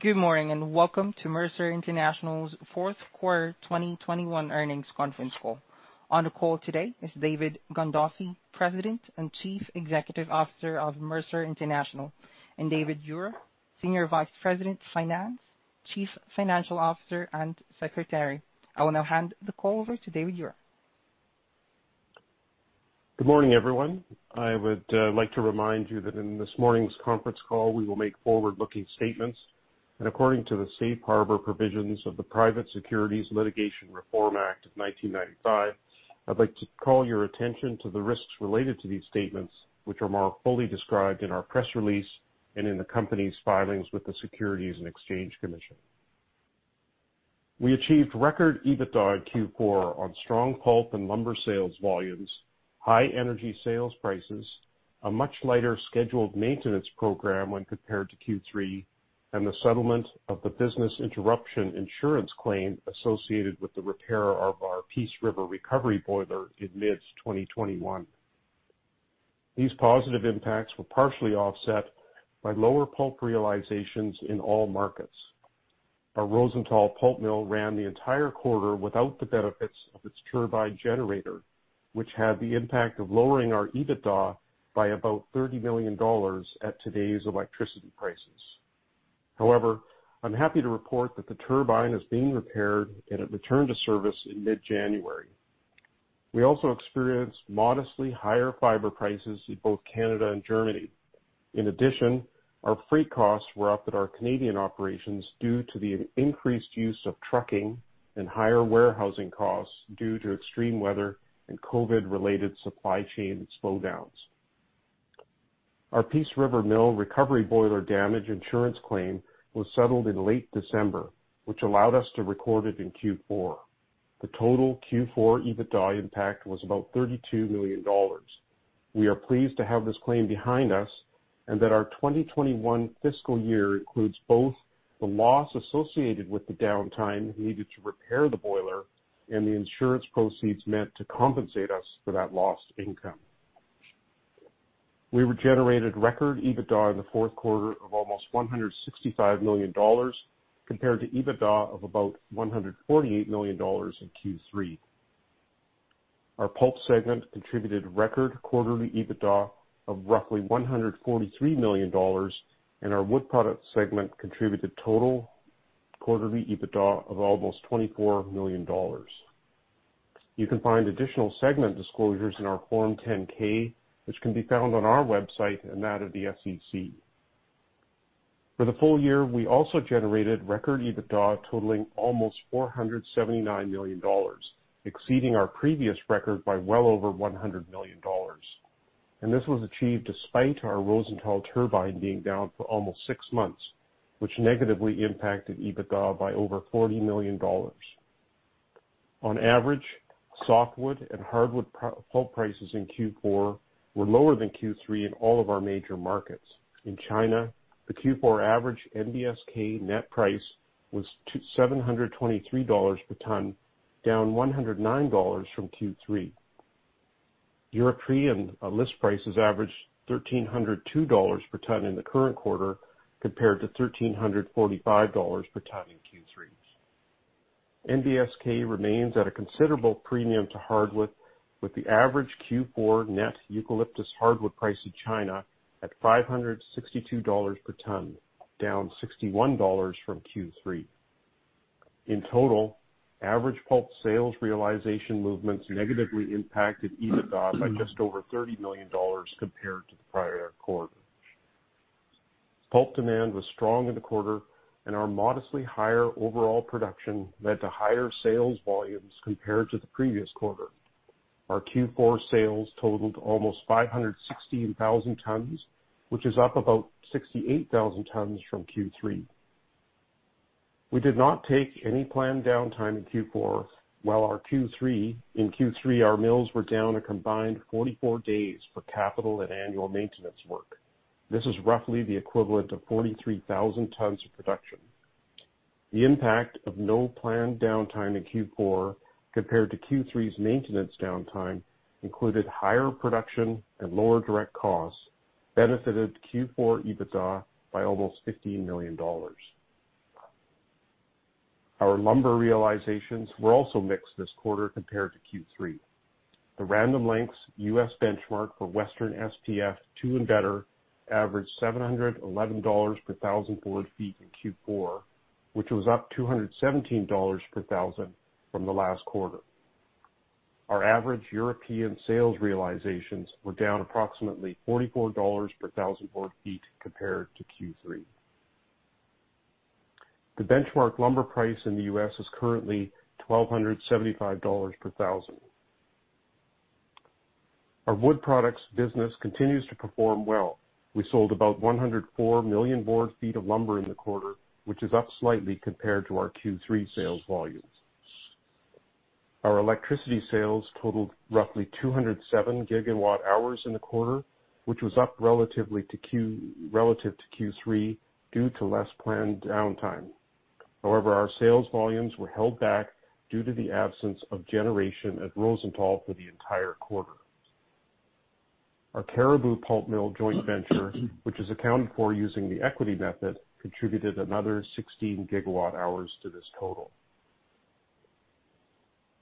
Good morning, and welcome to Mercer International's fourth quarter 2021 earnings conference call. On the call today is David Gandossi, President and Chief Executive Officer of Mercer International, and David Ure, Senior Vice President, Finance, Chief Financial Officer, and Secretary. I will now hand the call over to David Ure. Good morning, everyone. I would like to remind you that in this morning's conference call, we will make forward-looking statements. According to the safe harbor provisions of the Private Securities Litigation Reform Act of 1995, I'd like to call your attention to the risks related to these statements, which are more fully described in our press release and in the company's filings with the Securities and Exchange Commission. We achieved record EBITDA in Q4 on strong pulp and lumber sales volumes, high energy sales prices, a much lighter scheduled maintenance program when compared to Q3, and the settlement of the business interruption insurance claim associated with the repair of our Peace River recovery boiler in mid-2021. These positive impacts were partially offset by lower pulp realizations in all markets. Our Stendal pulp mill ran the entire quarter without the benefits of its turbine generator, which had the impact of lowering our EBITDA by about $30 million at today's electricity prices. However, I'm happy to report that the turbine is being repaired and it returned to service in mid-January. We also experienced modestly higher fiber prices in both Canada and Germany. In addition, our freight costs were up at our Canadian operations due to the increased use of trucking and higher warehousing costs due to extreme weather and COVID-related supply chain slowdowns. Our Peace River mill recovery boiler damage insurance claim was settled in late December, which allowed us to record it in Q4. The total Q4 EBITDA impact was about $32 million. We are pleased to have this claim behind us and that our 2021 fiscal year includes both the loss associated with the downtime needed to repair the boiler and the insurance proceeds meant to compensate us for that lost income. We regenerated record EBITDA in the fourth quarter of almost $165 million compared to EBITDA of about $148 million in Q3. Our pulp segment contributed record quarterly EBITDA of roughly $143 million, and our wood product segment contributed total quarterly EBITDA of almost $24 million. You can find additional segment disclosures in our Form 10-K, which can be found on our website and that of the SEC. For the full year, we also generated record EBITDA totaling almost $479 million, exceeding our previous record by well over $100 million. This was achieved despite our Rosenthal turbine being down for almost six months, which negatively impacted EBITDA by over $40 million. On average, softwood and hardwood pulp prices in Q4 were lower than Q3 in all of our major markets. In China, the Q4 average NBSK net price was $1,723 per ton, down $109 from Q3. European list prices averaged $1,302 per ton in the current quarter compared to $1,345 per ton in Q3. NBSK remains at a considerable premium to hardwood, with the average Q4 net eucalyptus hardwood price in China at $562 per ton, down $61 from Q3. In total, average pulp sales realization movements negatively impacted EBITDA by just over $30 million compared to the prior quarter. Pulp demand was strong in the quarter, and our modestly higher overall production led to higher sales volumes compared to the previous quarter. Our Q4 sales totaled almost 516,000 tons, which is up about 68,000 tons from Q3. We did not take any planned downtime in Q4, while in Q3, our mills were down a combined 44 days for capital and annual maintenance work. This is roughly the equivalent of 43,000 tons of production. The impact of no planned downtime in Q4 compared to Q3's maintenance downtime included higher production and lower direct costs benefited Q4 EBITDA by almost $15 million. Our lumber realizations were also mixed this quarter compared to Q3. The Random Lengths U.S. benchmark for Western SPF 2x and better averaged $711 per thousand board feet in Q4, which was up $217 per thousand from the last quarter. Our average European sales realizations were down approximately $44 per thousand board feet compared to Q3. The benchmark lumber price in the U.S. is currently $1,275 per thousand. Our wood products business continues to perform well. We sold about 104 million board feet of lumber in the quarter, which is up slightly compared to our Q3 sales volume. Our electricity sales totaled roughly 207 GWh in the quarter, which was up relative to Q3 due to less planned downtime. However, our sales volumes were held back due to the absence of generation at Rosenthal for the entire quarter. Our Cariboo pulp mill joint venture, which is accounted for using the equity method, contributed another 16 GWh to this total.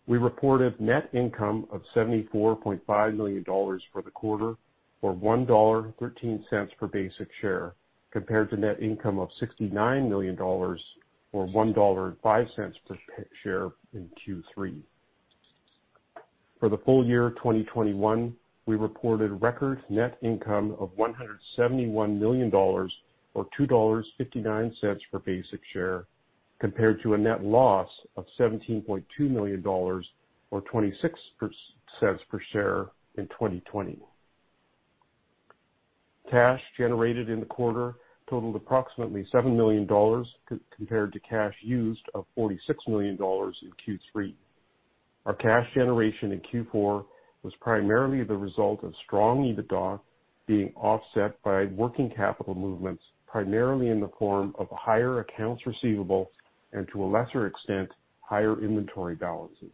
We reported net income of $74.5 million for the quarter, or $1.13 per basic share, compared to net income of $69 million or $1.05 per share in Q3. For the full year 2021, we reported record net income of $171 million or $2.59 per basic share, compared to a net loss of $17.2 million or 26 cents per share in 2020. Cash generated in the quarter totaled approximately $7 million compared to cash used of $46 million in Q3. Our cash generation in Q4 was primarily the result of strong EBITDA being offset by working capital movements, primarily in the form of higher accounts receivable and, to a lesser extent, higher inventory balances.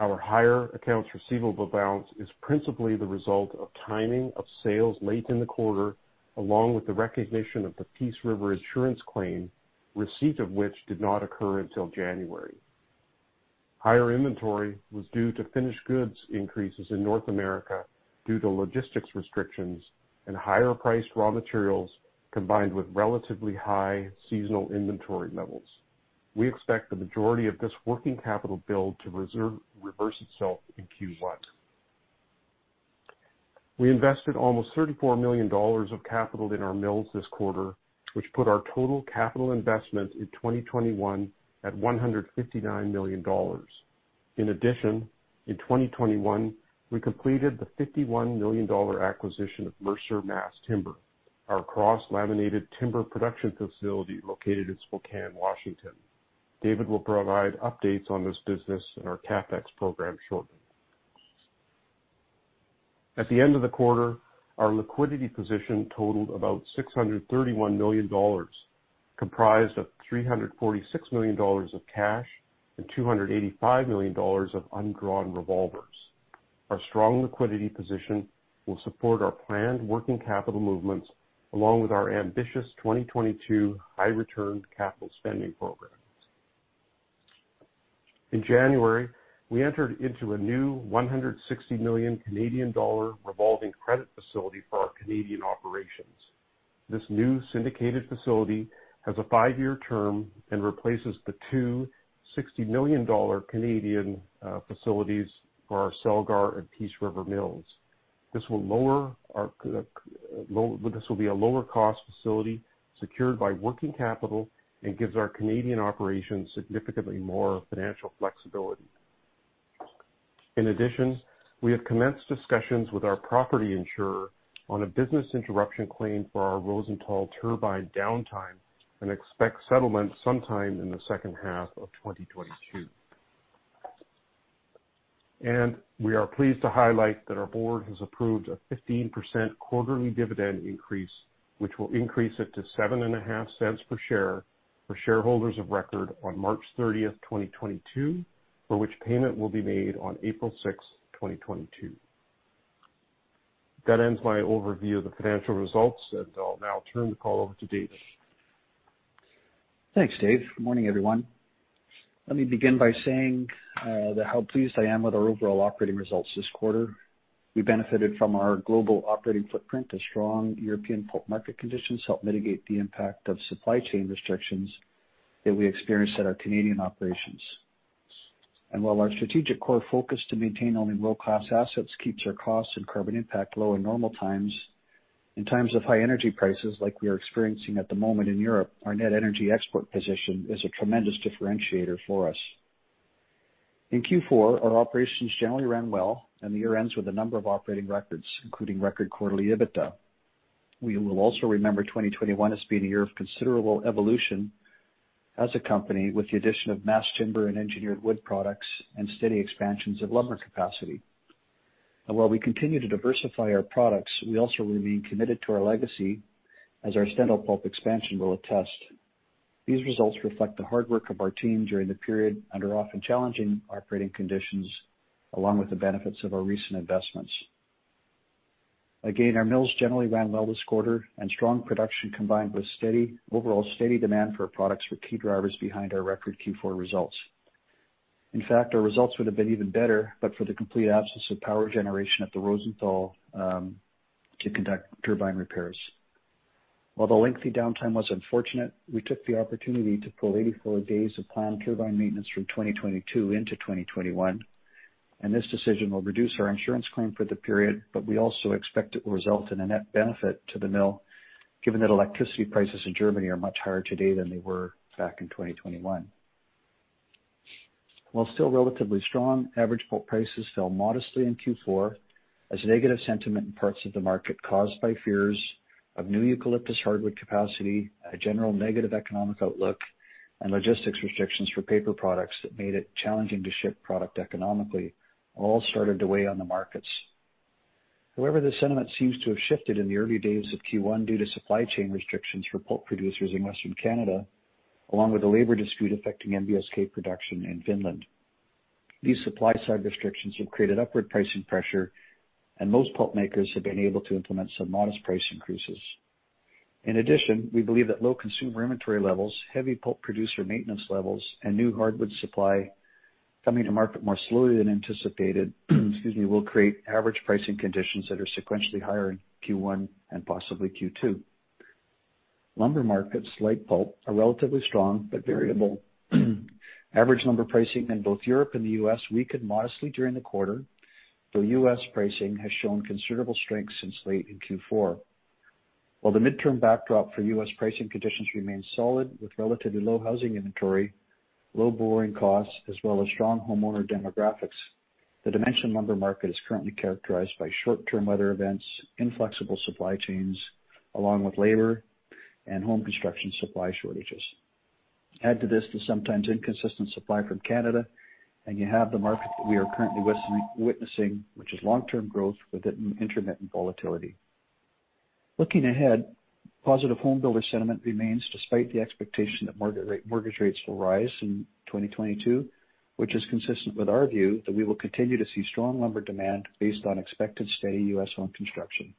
Our higher accounts receivable balance is principally the result of timing of sales late in the quarter, along with the recognition of the Peace River insurance claim, receipt of which did not occur until January. Higher inventory was due to finished goods increases in North America due to logistics restrictions and higher priced raw materials, combined with relatively high seasonal inventory levels. We expect the majority of this working capital build to reverse itself in Q1. We invested almost $34 million of capital in our mills this quarter, which put our total capital investment in 2021 at $159 million. In addition, in 2021, we completed the $51 million acquisition of Mercer Mass Timber, our cross-laminated timber production facility located in Spokane, Washington. David will provide updates on this business and our CapEx program shortly. At the end of the quarter, our liquidity position totaled about $631 million, comprised of $346 million of cash and $285 million of undrawn revolvers. Our strong liquidity position will support our planned working capital movements along with our ambitious 2022 high return capital spending programs. In January, we entered into a new 160 million Canadian dollar revolving credit facility for our Canadian operations. This new syndicated facility has a five-year term and replaces the 260 million Canadian dollars Canadian facilities for our Celgar and Peace River mills. This will be a lower cost facility secured by working capital and gives our Canadian operations significantly more financial flexibility. In addition, we have commenced discussions with our property insurer on a business interruption claim for our Rosenthal turbine downtime and expect settlement sometime in the second half of 2022. We are pleased to highlight that our board has approved a 15% quarterly dividend increase, which will increase it to $0.075 per share for shareholders of record on March 30th, 2022, for which payment will be made on April 6, 2022. That ends my overview of the financial results, and I'll now turn the call over to David. Thanks, Dave. Good morning, everyone. Let me begin by saying how pleased I am with our overall operating results this quarter. We benefited from our global operating footprint as strong European pulp market conditions helped mitigate the impact of supply chain restrictions that we experienced at our Canadian operations. While our strategic core focus to maintain only low-cost assets keeps our costs and carbon impact low in normal times, in times of high energy prices like we are experiencing at the moment in Europe, our net energy export position is a tremendous differentiator for us. In Q4, our operations generally ran well, and the year ends with a number of operating records, including record quarterly EBITDA. We will also remember 2021 as being a year of considerable evolution as a company with the addition of mass timber and engineered wood products and steady expansions of lumber capacity. While we continue to diversify our products, we also remain committed to our legacy as our Stendal pulp expansion will attest. These results reflect the hard work of our team during the period under often challenging operating conditions, along with the benefits of our recent investments. Again, our mills generally ran well this quarter, and strong production combined with overall steady demand for our products were key drivers behind our record Q4 results. In fact, our results would have been even better, but for the complete absence of power generation at the Rosenthal to conduct turbine repairs. While the lengthy downtime was unfortunate, we took the opportunity to pull 84 days of planned turbine maintenance from 2022 into 2021, and this decision will reduce our insurance claim for the period, but we also expect it will result in a net benefit to the mill, given that electricity prices in Germany are much higher today than they were back in 2021. While still relatively strong, average pulp prices fell modestly in Q4 as negative sentiment in parts of the market caused by fears of new eucalyptus hardwood capacity, a general negative economic outlook, and logistics restrictions for paper products that made it challenging to ship product economically all started to weigh on the markets. However, the sentiment seems to have shifted in the early days of Q1 due to supply chain restrictions for pulp producers in Western Canada, along with a labor dispute affecting NBSK production in Finland. These supply side restrictions have created upward pricing pressure, and most pulp makers have been able to implement some modest price increases. In addition, we believe that low consumer inventory levels, heavy pulp producer maintenance levels, and new hardwood supply coming to market more slowly than anticipated, excuse me, will create average pricing conditions that are sequentially higher in Q1 and possibly Q2. Lumber markets, like pulp, are relatively strong but variable. Average lumber pricing in both Europe and the U.S. weakened modestly during the quarter, though U.S. pricing has shown considerable strength since late in Q4. While the midterm backdrop for U.S. pricing conditions remains solid with relatively low housing inventory, low borrowing costs, as well as strong homeowner demographics, the dimension lumber market is currently characterized by short-term weather events, inflexible supply chains, along with labor and home construction supply shortages. Add to this the sometimes inconsistent supply from Canada, and you have the market that we are currently witnessing, which is long-term growth with intermittent volatility. Looking ahead, positive home builder sentiment remains despite the expectation that mortgage rates will rise in 2022, which is consistent with our view that we will continue to see strong lumber demand based on expected steady U.S. home construction.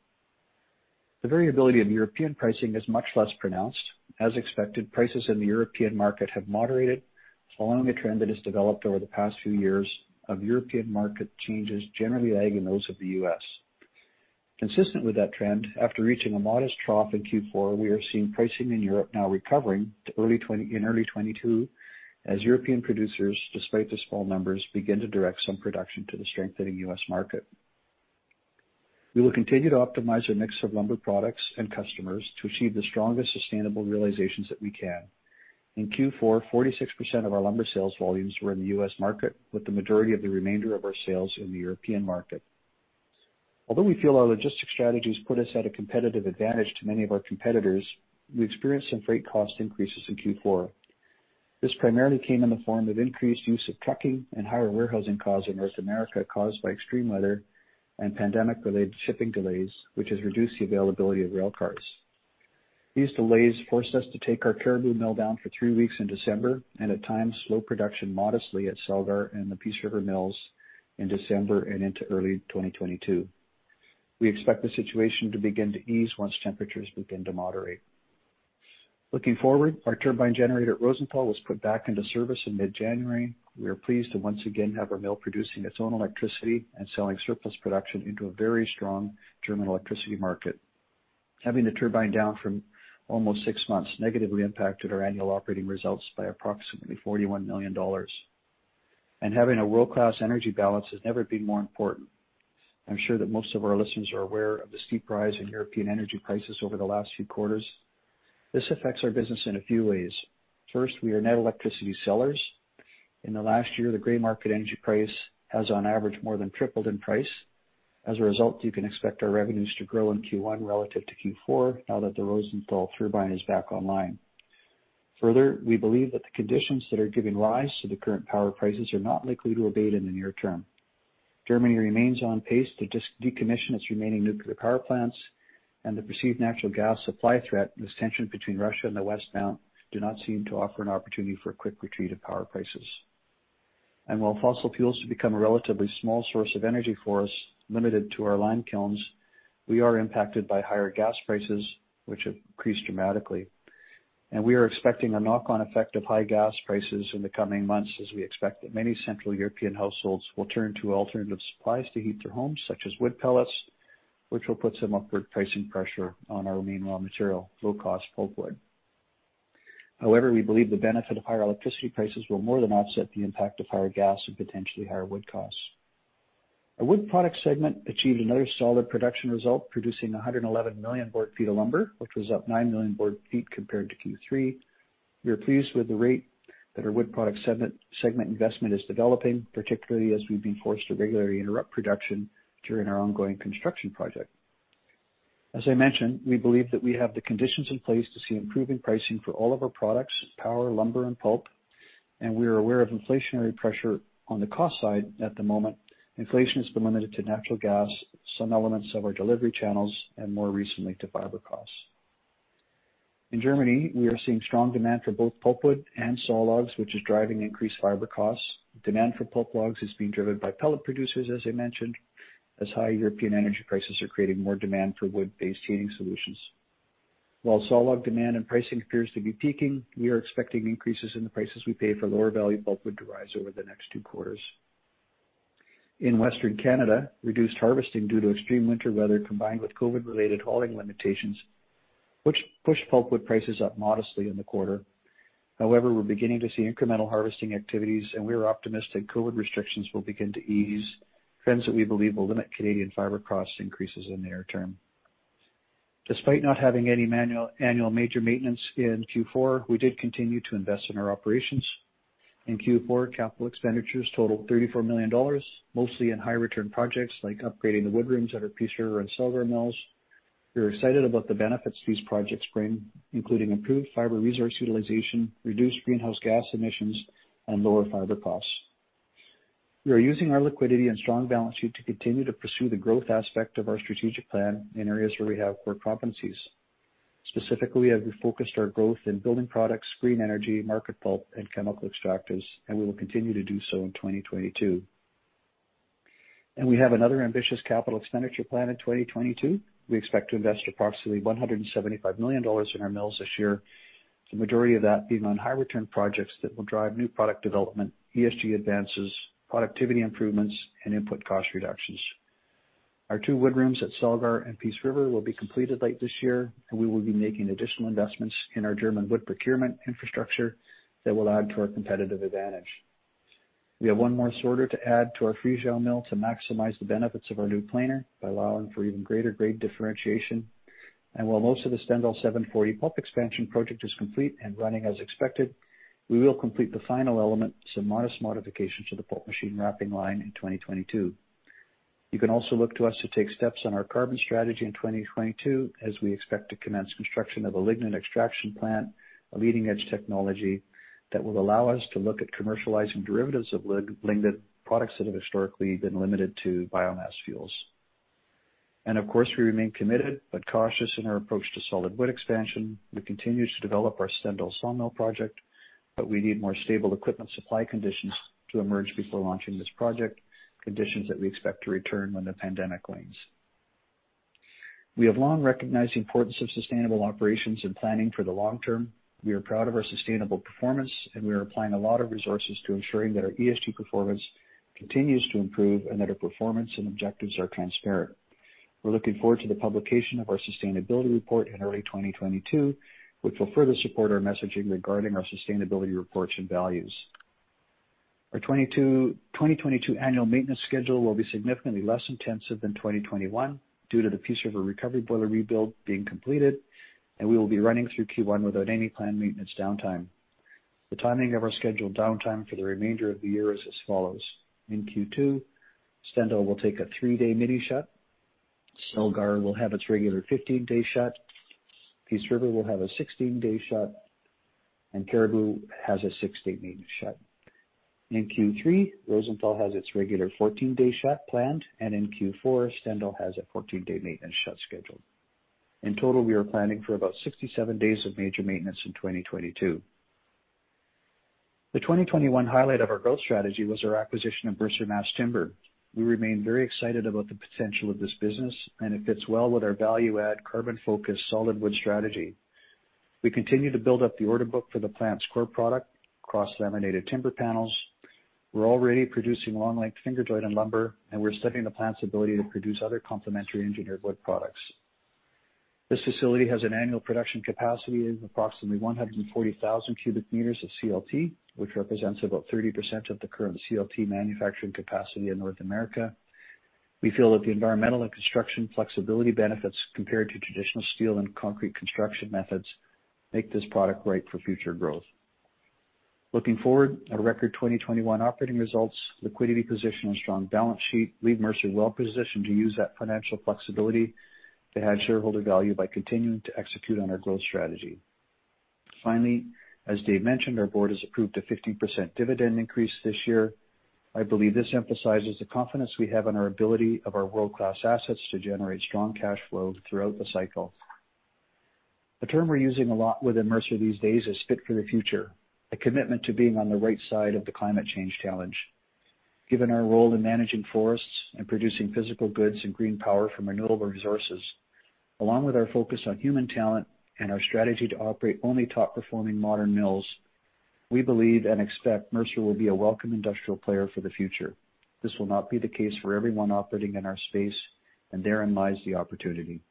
The variability of European pricing is much less pronounced. As expected, prices in the European market have moderated, following a trend that has developed over the past few years of European market changes generally lagging those of the U.S. Consistent with that trend, after reaching a modest trough in Q4, we are seeing pricing in Europe now recovering to early 2022 as European producers, despite the small numbers, begin to direct some production to the strengthening U.S. market. We will continue to optimize our mix of lumber products and customers to achieve the strongest sustainable realizations that we can. In Q4, 46% of our lumber sales volumes were in the U.S. market, with the majority of the remainder of our sales in the European market. Although we feel our logistics strategies put us at a competitive advantage to many of our competitors, we experienced some freight cost increases in Q4. This primarily came in the form of increased use of trucking and higher warehousing costs in North America caused by extreme weather and pandemic-related shipping delays, which has reduced the availability of rail cars. These delays forced us to take our Cariboo mill down for 3 weeks in December, and at times slow production modestly at Celgar and the Peace River mills in December and into early 2022. We expect the situation to begin to ease once temperatures begin to moderate. Looking forward, our turbine generator at Rosenthal was put back into service in mid-January. We are pleased to once again have our mill producing its own electricity and selling surplus production into a very strong German electricity market. Having the turbine down for almost six months negatively impacted our annual operating results by approximately $41 million. Having a world-class energy balance has never been more important. I'm sure that most of our listeners are aware of the steep rise in European energy prices over the last few quarters. This affects our business in a few ways. First, we are net electricity sellers. In the last year, the gray market energy price has on average, more than tripled in price. As a result, you can expect our revenues to grow in Q1 relative to Q4 now that the Rosenthal turbine is back online. Further, we believe that the conditions that are giving rise to the current power prices are not likely to abate in the near term. Germany remains on pace to decommission its remaining nuclear power plants, and the perceived natural gas supply threat and this tension between Russia and the West now do not seem to offer an opportunity for a quick retreat of power prices. While fossil fuels have become a relatively small source of energy for us, limited to our lime kilns, we are impacted by higher gas prices, which have increased dramatically. We are expecting a knock-on effect of high gas prices in the coming months, as we expect that many central European households will turn to alternative supplies to heat their homes, such as wood pellets, which will put some upward pricing pressure on our main raw material, low-cost pulpwood. However, we believe the benefit of higher electricity prices will more than offset the impact of higher gas and potentially higher wood costs. Our wood products segment achieved another solid production result, producing 111 million board feet of lumber, which was up 9 million board feet compared to Q3. We are pleased with the rate that our wood products segment investment is developing, particularly as we've been forced to regularly interrupt production during our ongoing construction project. As I mentioned, we believe that we have the conditions in place to see improving pricing for all of our products, power, lumber, and pulp, and we are aware of inflationary pressure on the cost side at the moment. Inflation has been limited to natural gas, some elements of our delivery channels, and more recently to fiber costs. In Germany, we are seeing strong demand for both pulpwood and sawlogs, which is driving increased fiber costs. Demand for pulp logs is being driven by pellet producers, as I mentioned, as high European energy prices are creating more demand for wood-based heating solutions. While sawlog demand and pricing appears to be peaking, we are expecting increases in the prices we pay for lower value pulpwood to rise over the next two quarters. In Western Canada, reduced harvesting due to extreme winter weather combined with COVID-related hauling limitations, which pushed pulpwood prices up modestly in the quarter. However, we're beginning to see incremental harvesting activities, and we are optimistic COVID restrictions will begin to ease, trends that we believe will limit Canadian fiber cost increases in the near term. Despite not having any annual major maintenance in Q4, we did continue to invest in our operations. In Q4, capital expenditures totaled $34 million, mostly in high return projects like upgrading the wood rooms at our Peace River and Celgar mills. We are excited about the benefits these projects bring, including improved fiber resource utilization, reduced greenhouse gas emissions, and lower fiber costs. We are using our liquidity and strong balance sheet to continue to pursue the growth aspect of our strategic plan in areas where we have core competencies. Specifically, we have refocused our growth in building products, green energy, market pulp, and chemical extractives, and we will continue to do so in 2022. We have another ambitious capital expenditure plan in 2022. We expect to invest approximately $175 million in our mills this year, the majority of that being on high return projects that will drive new product development, ESG advances, productivity improvements, and input cost reductions. Our two wood rooms at Celgar and Cariboo will be completed late this year, and we will be making additional investments in our German wood procurement infrastructure that will add to our competitive advantage. We have one more sorter to add to our Friesau mill to maximize the benefits of our new planer by allowing for even greater grade differentiation. While most of the Stendal 740 pulp expansion project is complete and running as expected, we will complete the final element, some modest modifications to the pulp machine wrapping line in 2022. You can also look to us to take steps on our carbon strategy in 2022, as we expect to commence construction of a lignin extraction plant, a leading-edge technology that will allow us to look at commercializing derivatives of lignin, products that have historically been limited to biomass fuels. Of course, we remain committed but cautious in our approach to solid wood expansion. We continue to develop our Stendal sawmill project, but we need more stable equipment supply conditions to emerge before launching this project, conditions that we expect to return when the pandemic wanes. We have long recognized the importance of sustainable operations in planning for the long term. We are proud of our sustainable performance, and we are applying a lot of resources to ensuring that our ESG performance continues to improve and that our performance and objectives are transparent. We're looking forward to the publication of our sustainability report in early 2022, which will further support our messaging regarding our sustainability reports and values. Our 2022 annual maintenance schedule will be significantly less intensive than 2021 due to the Peace River recovery boiler rebuild being completed, and we will be running through Q1 without any planned maintenance downtime. The timing of our scheduled downtime for the remainder of the year is as follows. In Q2, Stendal will take a three-day mini shut. Celgar will have its regular 15-day shut. Peace River will have a 16-day shut, and Cariboo has a six-day maintenance shut. In Q3, Rosenthal has its regular 14-day shut planned, and in Q4, Stendal has a 14-day maintenance shut scheduled. In total, we are planning for about 67 days of major maintenance in 2022. The 2021 highlight of our growth strategy was our acquisition of Mercer Mass Timber. We remain very excited about the potential of this business, and it fits well with our value add carbon focus solid wood strategy. We continue to build up the order book for the plant's core product, cross-laminated timber panels. We're already producing long length finger joint and lumber, and we're studying the plant's ability to produce other complementary engineered wood products. This facility has an annual production capacity of approximately 140,000 cubic meters of CLT, which represents about 30% of the current CLT manufacturing capacity in North America. We feel that the environmental and construction flexibility benefits compared to traditional steel and concrete construction methods make this product right for future growth. Looking forward, our record 2021 operating results, liquidity position, and strong balance sheet leave Mercer well positioned to use that financial flexibility to add shareholder value by continuing to execute on our growth strategy. Finally, as Dave mentioned, our board has approved a 15% dividend increase this year. I believe this emphasizes the confidence we have in our ability of our world-class assets to generate strong cash flow throughout the cycle. The term we're using a lot within Mercer these days is fit for the future, a commitment to being on the right side of the climate change challenge. Given our role in managing forests and producing physical goods and green power from renewable resources, along with our focus on human talent and our strategy to operate only top performing modern mills, we believe and expect Mercer will be a welcome industrial player for the future. This will not be the case for everyone operating in our space, and therein lies the opportunity.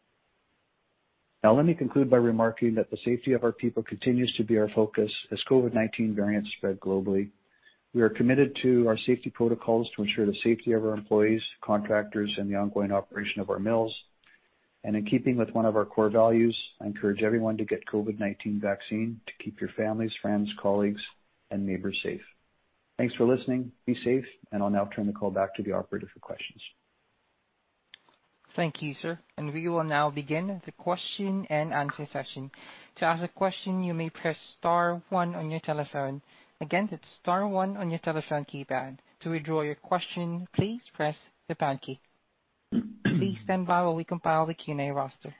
Now, let me conclude by remarking that the safety of our people continues to be our focus as COVID-19 variants spread globally. We are committed to our safety protocols to ensure the safety of our employees, contractors, and the ongoing operation of our mills. In keeping with one of our core values, I encourage everyone to get COVID-19 vaccine to keep your families, friends, colleagues, and neighbors safe. Thanks for listening. Be safe. I'll now turn the call back to the operator for questions. Thank you, sir. We will now begin the question and answer session. To ask a question, you may press star one on your telephone. Again, it's star one on your telephone keypad. To withdraw your question, please press the pound key. Please stand by while we compile the Q&A roster.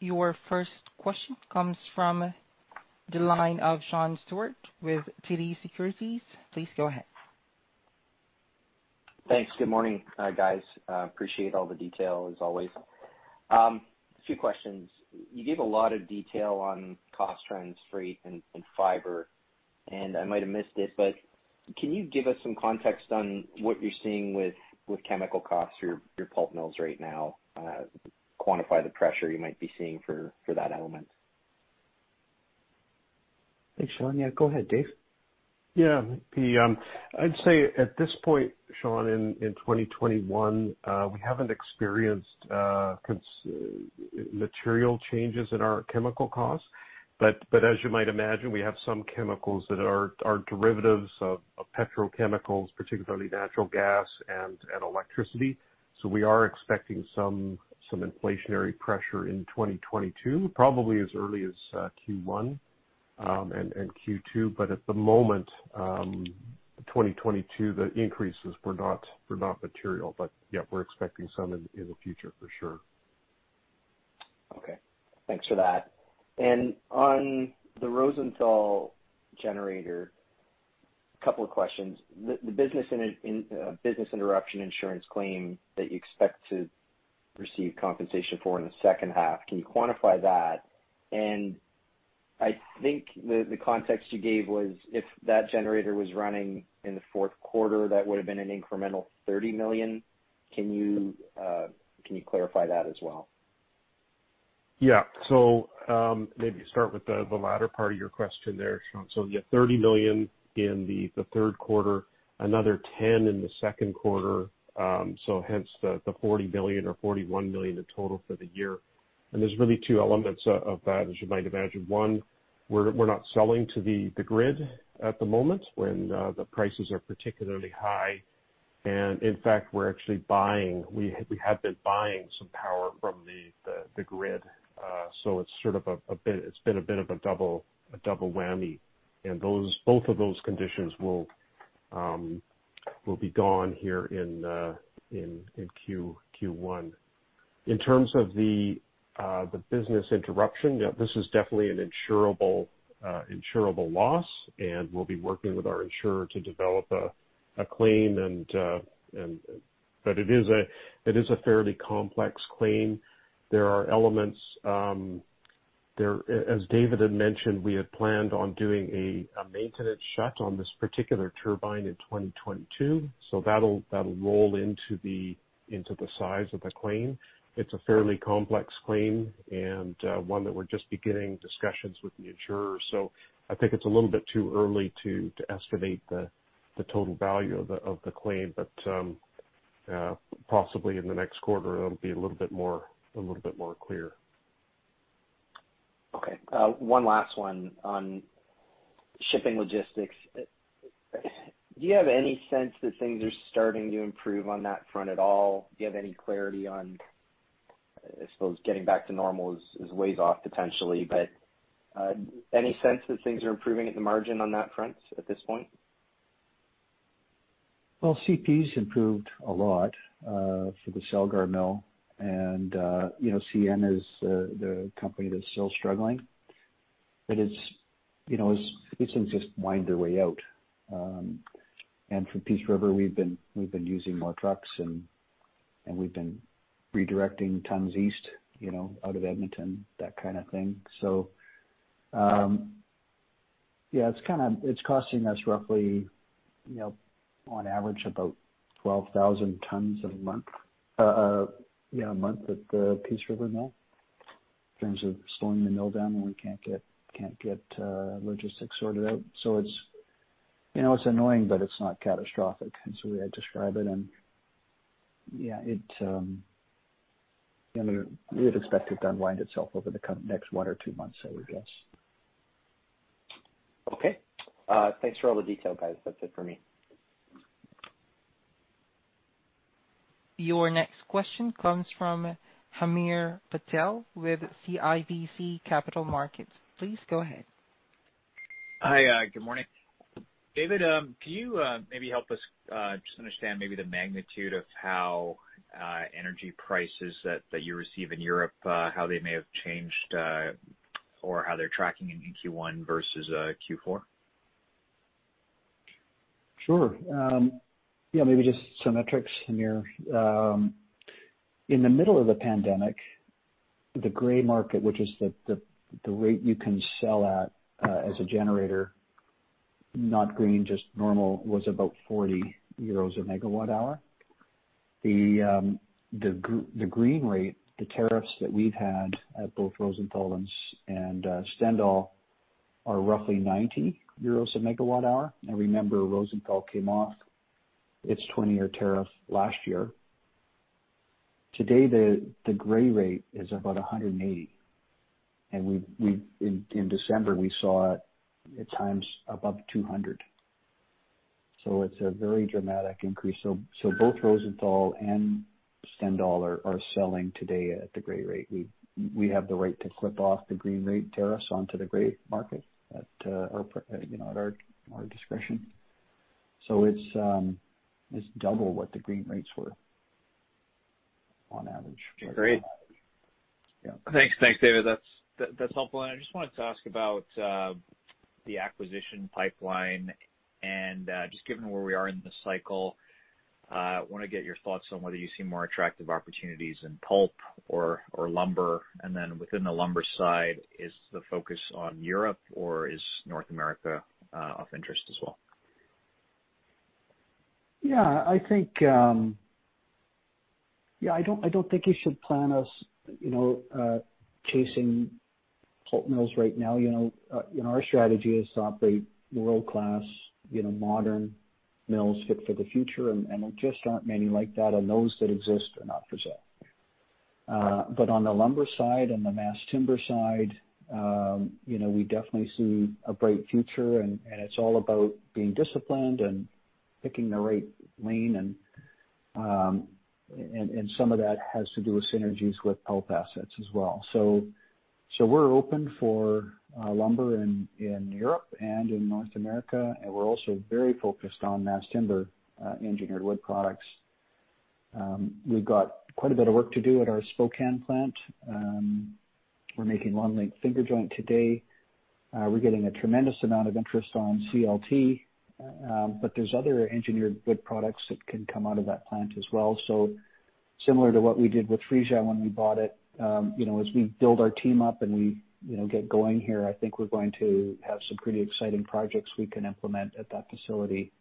Your first question comes from the line of Sean Steuart with TD Securities. Please go ahead. Thanks. Good morning, guys. Appreciate all the detail as always. A few questions. You gave a lot of detail on cost trends, freight, and fiber. I might have missed it, but can you give us some context on what you're seeing with chemical costs through your pulp mills right now, quantify the pressure you might be seeing for that element? Thanks, Sean. Yeah, go ahead, David. Yeah. I'd say at this point, Sean, in 2021, we haven't experienced material changes in our chemical costs. As you might imagine, we have some chemicals that are derivatives of petrochemicals, particularly natural gas and electricity. We are expecting some inflationary pressure in 2022, probably as early as Q1 and Q2. At the moment, 2022, the increases were not material. Yeah, we're expecting some in the future for sure. Okay. Thanks for that. On the Rosenthal generator, a couple of questions. The business interruption insurance claim that you expect to receive compensation for in the second half, can you quantify that? I think the context you gave was if that generator was running in the fourth quarter, that would have been an incremental $30 million. Can you clarify that as well? Maybe start with the latter part of your question there, Sean. $30 million in the third quarter, another $10 million in the second quarter, hence the $40 million or $41 million in total for the year. There's really two elements of that, as you might imagine. One, we're not selling to the grid at the moment when the prices are particularly high. In fact, we're actually buying. We have been buying some power from the grid. It's sort of a bit of a double whammy. Those both of those conditions will be gone here in Q1. In terms of the business interruption, yeah, this is definitely an insurable loss, and we'll be working with our insurer to develop a claim. It is a fairly complex claim. There are elements. As David had mentioned, we had planned on doing a maintenance shut on this particular turbine in 2022, so that'll roll into the size of the claim. It's a fairly complex claim and one that we're just beginning discussions with the insurer. I think it's a little bit too early to estimate the total value of the claim. Possibly in the next quarter, it'll be a little bit more clear. Okay. One last one on shipping logistics. Do you have any sense that things are starting to improve on that front at all? Do you have any clarity on, I suppose, getting back to normal is a ways off potentially, but any sense that things are improving at the margin on that front at this point? Well, CP's improved a lot for the Celgar mill. You know, CN is the company that's still struggling. It's you know, these things just wind their way out. For Peace River, we've been using more trucks and we've been redirecting tons east, you know, out of Edmonton, that kind of thing. Yeah, it's kind of costing us roughly, you know, on average about 12,000 tons a month at the Peace River mill in terms of slowing the mill down when we can't get logistics sorted out. It's you know, it's annoying, but it's not catastrophic. That's the way I'd describe it. Yeah, it you know, we would expect it to unwind itself over the next one or two months, I would guess. Okay. Thanks for all the detail, guys. That's it for me. Your next question comes from Hamir Patel with CIBC Capital Markets. Please go ahead. Hi. Good morning. David, can you maybe help us just understand maybe the magnitude of how energy prices that you receive in Europe how they may have changed or how they're tracking in Q1 versus Q4? Sure. Yeah, maybe just some metrics, Hamir. In the middle of the pandemic, the gray market, which is the rate you can sell at as a generator, not green, just normal, was about 40 euros a MWh. The green rate, the tariffs that we've had at both Rosenthal and Stendal are roughly 90 euros a MWh. Now remember, Rosenthal came off its 20-year tariff last year. Today, the gray rate is about 180. In December, we saw it at times above 200. It's a very dramatic increase. Both Rosenthal and Stendal are selling today at the gray rate. We have the right to clip off the green rate tariffs onto the gray market at our discretion. It's double what the green rates were on average. Great. Yeah. Thanks. Thanks, David. That's helpful. I just wanted to ask about the acquisition pipeline and just given where we are in the cycle, wanna get your thoughts on whether you see more attractive opportunities in pulp or lumber. Within the lumber side, is the focus on Europe, or is North America of interest as well? Yeah, I think I don't think you should plan on us chasing pulp mills right now. You know, our strategy is to operate world-class, you know, modern mills fit for the future, and there just aren't many like that, and those that exist are not for sale. On the lumber side and the mass timber side, you know, we definitely see a bright future, and it's all about being disciplined and picking the right lane and some of that has to do with synergies with pulp assets as well. We're open to lumber in Europe and in North America, and we're also very focused on mass timber engineered wood products. We've got quite a bit of work to do at our Spokane plant. We're making long length finger joint today. We're getting a tremendous amount of interest on CLT, but there's other engineered wood products that can come out of that plant as well. Similar to what we did with Friesau when we bought it, you know, as we build our team up and we, you know, get going here, I think we're going to have some pretty exciting projects we can implement at that facility.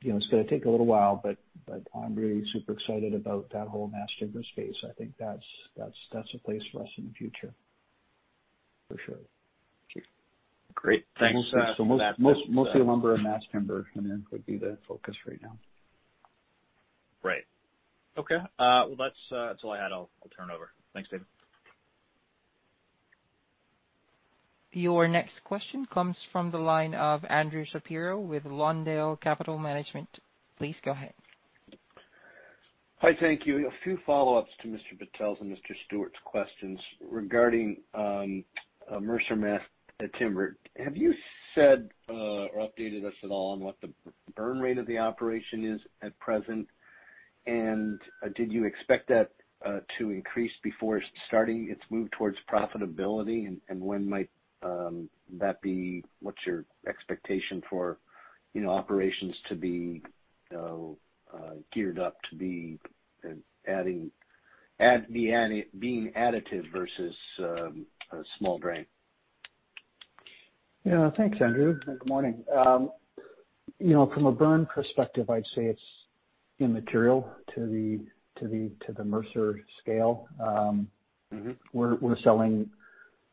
You know, it's gonna take a little while, but I'm really super excited about that whole mass timber space. I think that's a place for us in the future, for sure. Thank you. Great. Thanks for that. Mostly lumber and mass timber, I mean, would be the focus right now. Right. Okay. Well, that's all I had. I'll turn it over. Thanks, David. Your next question comes from the line of Andrew Shapiro with Lawndale Capital Management. Please go ahead. Hi. Thank you. A few follow-ups to Mr. Patel's and Mr. Yeah. Thanks, Andrew. Good morning. You know, from a burn perspective, I'd say it's immaterial to the Mercer scale. Mm-hmm. We're selling.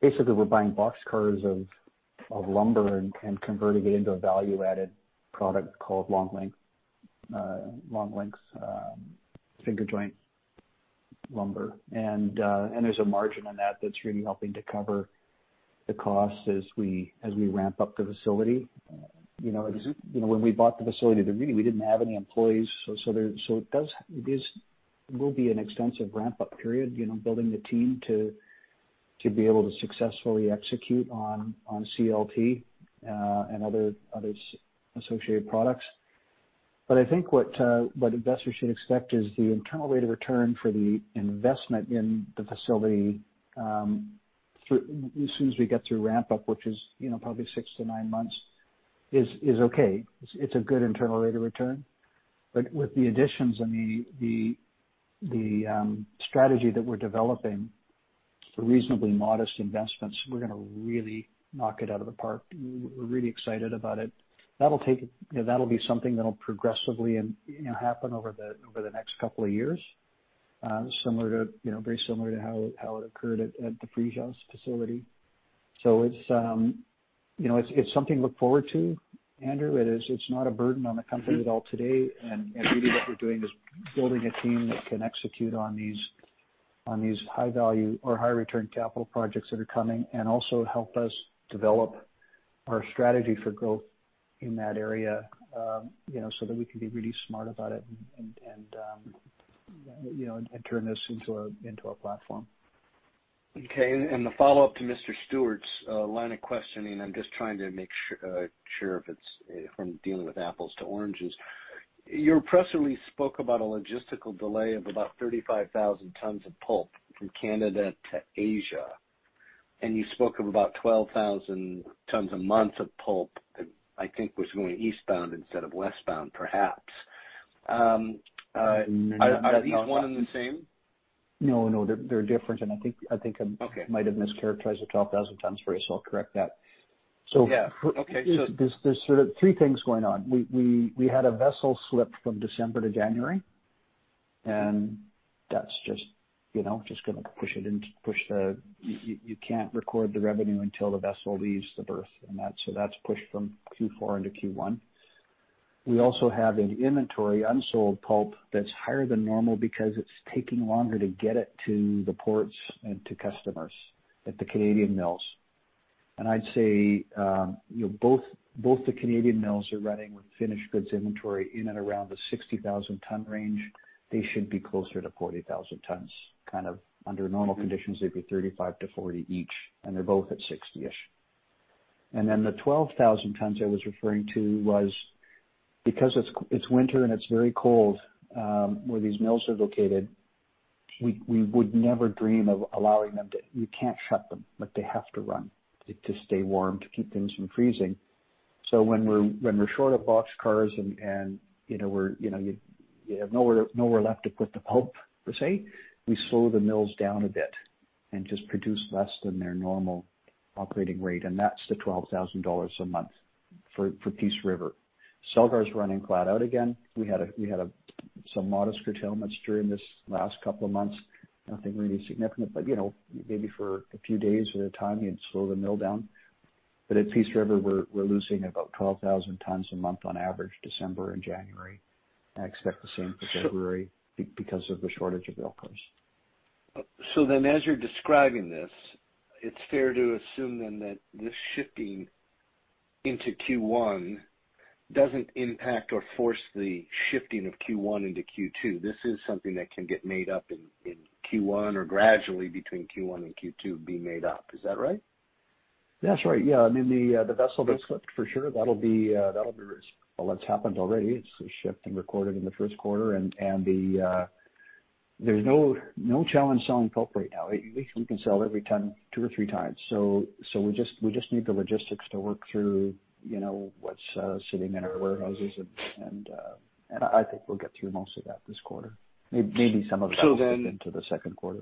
Basically, we're buying boxcars of lumber and converting it into a value-added product called long lengths finger joint lumber. And there's a margin on that that's really helping to cover the cost as we ramp up the facility. You know, when we bought the facility, there really we didn't have any employees. This will be an extensive ramp-up period, you know, building the team to be able to successfully execute on CLT and other associated products. But I think what investors should expect is the internal rate of return for the investment in the facility, through as soon as we get through ramp-up, which is, you know, probably six to nine months, is okay. It's a good internal rate of return. With the additions and the strategy that we're developing for reasonably modest investments, we're gonna really knock it out of the park. We're really excited about it. That'll be something that'll progressively and, you know, happen over the next couple of years, similar to, you know, very similar to how it occurred at the Friesau's facility. It's something to look forward to, Andrew. It's not a burden on the company at all today. Really what we're doing is building a team that can execute on these high value or high return capital projects that are coming, and also help us develop our strategy for growth in that area, you know, so that we can be really smart about it and you know, and turn this into a platform. Okay. The follow-up to Mr. Steuart's line of questioning, I'm just trying to make sure if it's from dealing with apples to oranges. Your press release spoke about a logistical delay of about 35,000 tons of pulp from Canada to Asia. You spoke of about 12,000 tons a month of pulp that I think was going eastbound instead of westbound, perhaps. No, no. Are these one and the same? No, no, they're different. I think. Okay. Might have mischaracterized the 12,000 tons for you, so I'll correct that. Yeah. Okay. There's sort of three things going on. We had a vessel slip from December to January, and that's just gonna push it in. You can't record the revenue until the vessel leaves the berth, and that's, so that's pushed from Q4 into Q1. We also have an inventory, unsold pulp, that's higher than normal because it's taking longer to get it to the ports and to customers at the Canadian mills. I'd say, you know, both the Canadian mills are running with finished goods inventory in and around the 60,000 ton range. They should be closer to 40,000 tons. Kind of under normal conditions, they'd be 35 to 40 each, and they're both at 60-ish. Then the 12,000 tons I was referring to was because it's winter and it's very cold, where these mills are located, we would never dream of allowing them to. You can't shut them, but they have to run to stay warm, to keep things from freezing. When we're short of boxcars and, you know, we're, you know, you have nowhere left to put the pulp, per se, we slow the mills down a bit. Just produce less than their normal operating rate, and that's the $12,000 a month for Peace River. Celgar's running flat out again. We had some modest curtailments during this last couple of months. Nothing really significant, but, you know, maybe for a few days at a time, you'd slow the mill down. At Peace River, we're losing about 12,000 tons a month on average, December and January. I expect the same for February because of the shortage of railcars. As you're describing this, it's fair to assume then that this shifting into Q1 doesn't impact or force the shifting of Q1 into Q2. This is something that can get made up in Q1 or gradually between Q1 and Q2 be made up. Is that right? That's right. Yeah. I mean, the vessel that slipped, for sure, that'll be, well, that's happened already. It's a shipment and recorded in the first quarter. There's no challenge selling pulp right now. We can sell every ton two or three times. So we just need the logistics to work through, you know, what's sitting in our warehouses. I think we'll get through most of that this quarter. Maybe some of that will get into the second quarter.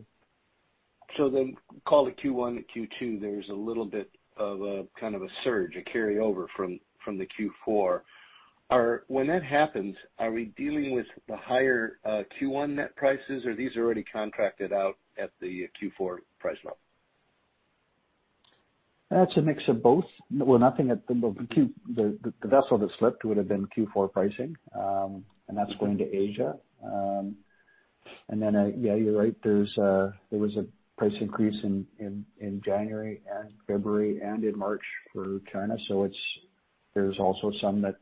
Call it Q1 and Q2, there's a little bit of a kind of a surge, a carryover from the Q4. When that happens, are we dealing with the higher Q1 net prices, or these are already contracted out at the Q4 price level? That's a mix of both. Well, the vessel that slipped would have been Q4 pricing, and that's going to Asia. Yeah, you're right. There was a price increase in January and February and in March for China. There's also some that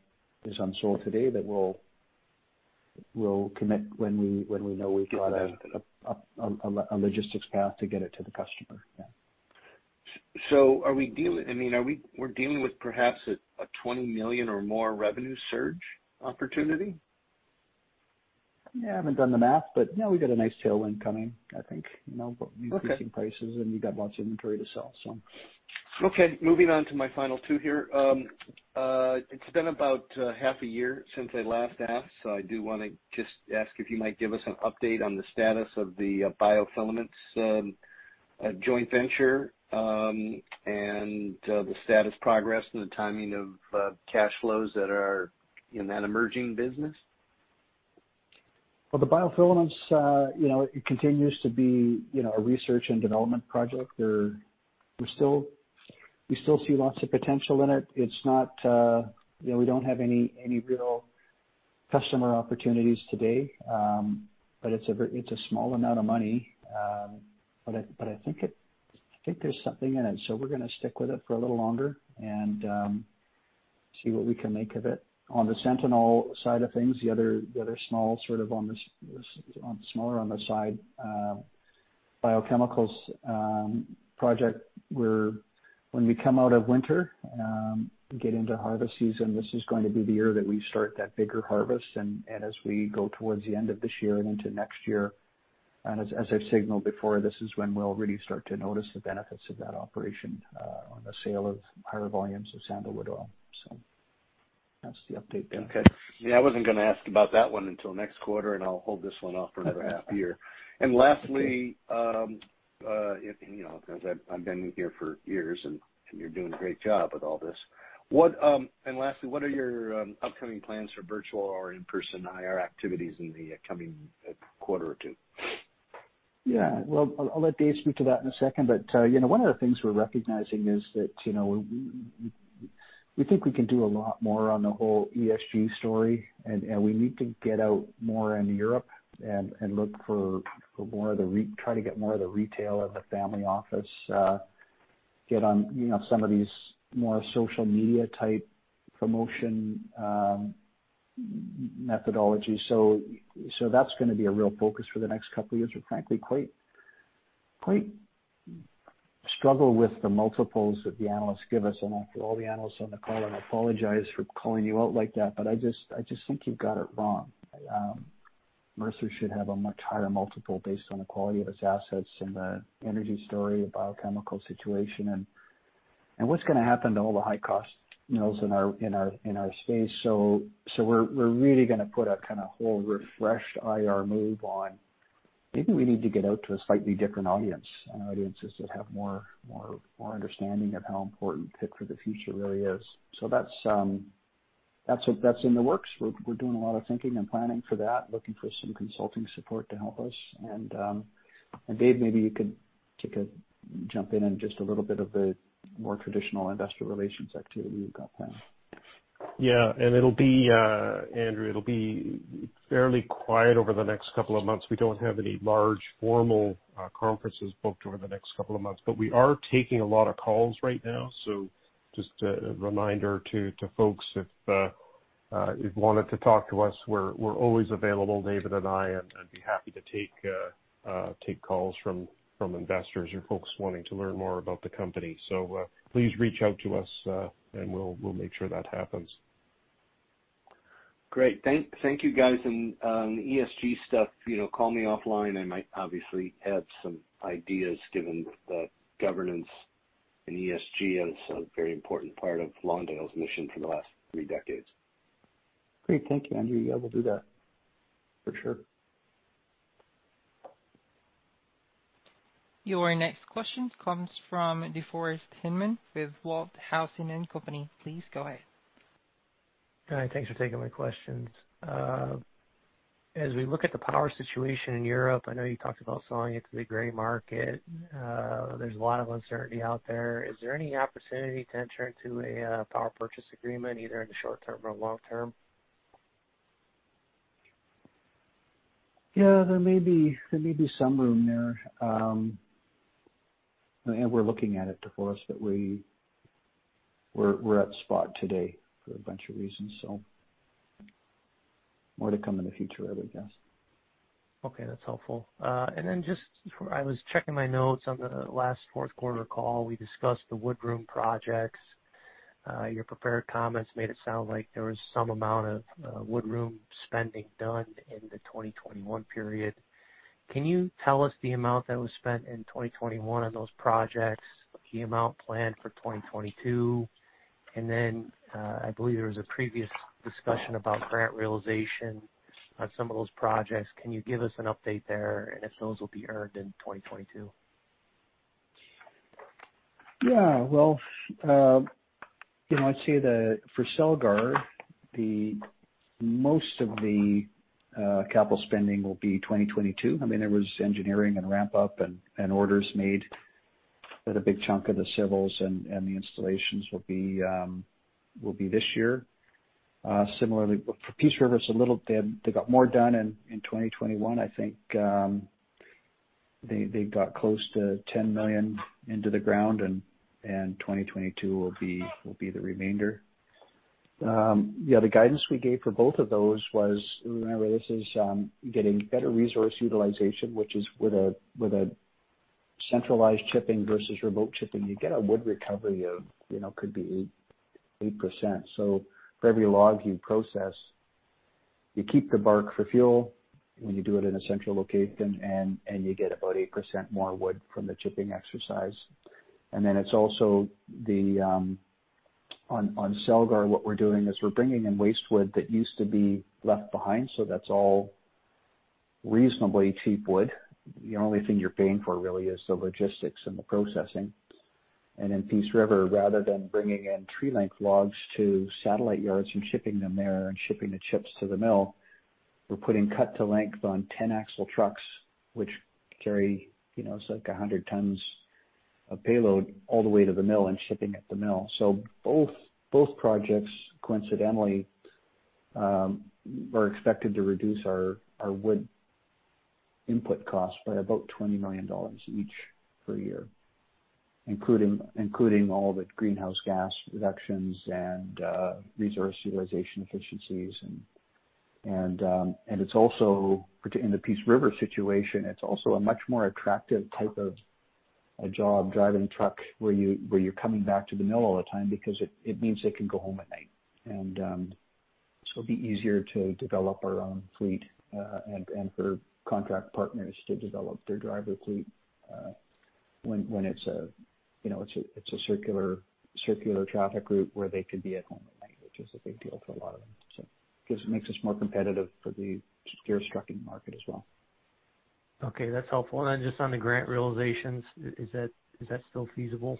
is unsold today that we'll commit when we know we've got a logistics path to get it to the customer. Yeah. I mean, are we dealing with perhaps a $20 million or more revenue surge opportunity? Yeah, I haven't done the math, but yeah, we got a nice tailwind coming, I think. You know, we're increasing prices, and we got lots of inventory to sell, so. Okay. Moving on to my final two here. It's been about half a year since I last asked, so I do wanna just ask if you might give us an update on the status of the BioFilaments joint venture, and the status progress and the timing of cash flows that are in that emerging business. Well, the BioFilaments, you know, it continues to be, you know, a research and development project. We still see lots of potential in it. It's not, you know, we don't have any real customer opportunities today. It's a small amount of money. I think there's something in it. We're gonna stick with it for a little longer and see what we can make of it. On the sandalwood side of things, the other small sort of on the smaller side biochemicals project. When we come out of winter, we get into harvest season, this is going to be the year that we start that bigger harvest. As we go towards the end of this year and into next year, and as I've signaled before, this is when we'll really start to notice the benefits of that operation on the sale of higher volumes of Sandalwood oil. That's the update there. Okay. Yeah, I wasn't gonna ask about that one until next quarter, and I'll hold this one off for another half year. Lastly, you know, as I've been here for years, and you're doing a great job with all this. Lastly, what are your upcoming plans for virtual or in-person IR activities in the coming quarter or two? Yeah. Well, I'll let David speak to that in a second. You know, one of the things we're recognizing is that, you know, we think we can do a lot more on the whole ESG story, and we need to get out more in Europe and look for, try to get more of the retail and family office, get on, you know, some of these more social media type promotion methodologies. That's gonna be a real focus for the next couple of years. We're frankly quite struggling with the multiples that the analysts give us. All the analysts on the call, I apologize for calling you out like that, but I just think you've got it wrong. Mercer should have a much higher multiple based on the quality of its assets and the energy story, the biochemical situation. What's gonna happen to all the high cost mills in our space? We're really gonna put a kinda whole refreshed IR move on. Maybe we need to get out to a slightly different audience, audiences that have more understanding of how important fit for the future really is. That's in the works. We're doing a lot of thinking and planning for that, looking for some consulting support to help us. Dave, maybe you could jump in on just a little bit of the more traditional investor relations activity you've got planned. Yeah. Andrew, it'll be fairly quiet over the next couple of months. We don't have any large formal conferences booked over the next couple of months. We are taking a lot of calls right now. Just a reminder to folks, if you wanted to talk to us, we're always available, David and I, and I'd be happy to take calls from investors or folks wanting to learn more about the company. Please reach out to us, and we'll make sure that happens. Great. Thank you guys. ESG stuff, you know, call me offline. I might obviously have some ideas given the governance and ESG as a very important part of Lawndale's mission for the last three decades. Great. Thank you, Andrew. Yeah, we'll do that for sure. Your next question comes from DeForest Hinman with Walthausen & Co., LLC. Please go ahead. Hi, thanks for taking my questions. As we look at the power situation in Europe, I know you talked about selling it to the gray market. There's a lot of uncertainty out there. Is there any opportunity to enter into a power purchase agreement, either in the short term or long term? Yeah, there may be some room there. We're looking at it, DeForest, but we're at spot today for a bunch of reasons. More to come in the future, I would guess. Okay, that's helpful. I was checking my notes on the last fourth quarter call. We discussed the wood room projects. Your prepared comments made it sound like there was some amount of wood room spending done in the 2021 period. Can you tell us the amount that was spent in 2021 on those projects, the amount planned for 2022? I believe there was a previous discussion about grant realization on some of those projects. Can you give us an update there and if those will be earned in 2022? Yeah. Well, you know, I'd say that for Celgar, the most of the capital spending will be 2022. I mean, there was engineering and ramp-up and orders made that a big chunk of the civils and the installations will be this year. Similarly for Peace River, it's a little. They got more done in 2021. I think they got close to $10 million into the ground and 2022 will be the remainder. Yeah, the guidance we gave for both of those was. Remember, this is getting better resource utilization, which is with a centralized chipping versus remote chipping, you get a wood recovery of, you know, could be 8%. For every log you process, you keep the bark for fuel when you do it in a central location, and you get about 8% more wood from the chipping exercise. On Celgar, what we're doing is we're bringing in waste wood that used to be left behind, so that's all reasonably cheap wood. The only thing you're paying for really is the logistics and the processing. In Peace River, rather than bringing in tree-length logs to satellite yards and shipping them there and shipping the chips to the mill, we're putting cut-to-length on 10-axle trucks which carry, you know, it's like 100 tons of payload all the way to the mill and shipping at the mill. Both projects coincidentally are expected to reduce our wood input costs by about $20 million each per year, including all the greenhouse gas reductions and resource utilization efficiencies. It's also part in the Peace River situation a much more attractive type of a job driving truck where you're coming back to the mill all the time because it means they can go home at night. It'll be easier to develop our own fleet and for contract partners to develop their driver fleet when it's a circular traffic route where they could be at home at night, which is a big deal for a lot of them. Just makes us more competitive for the steer trucking market as well. Okay, that's helpful. Just on the grant realizations, is that still feasible?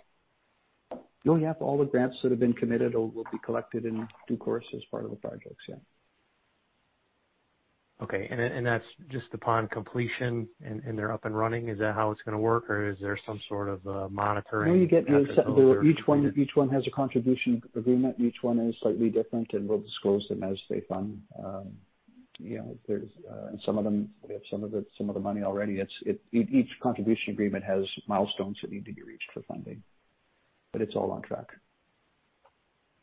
Oh, yeah. All the grants that have been committed will be collected in due course as part of the projects. Yeah. Okay. That's just upon completion and they're up and running. Is that how it's gonna work? Is there some sort of monitoring after those are committed? No. Each one has a contribution agreement. Each one is slightly different, and we'll disclose them as they fund. You know, there's, and some of them, we have some of the money already. Each contribution agreement has milestones that need to be reached for funding, but it's all on track.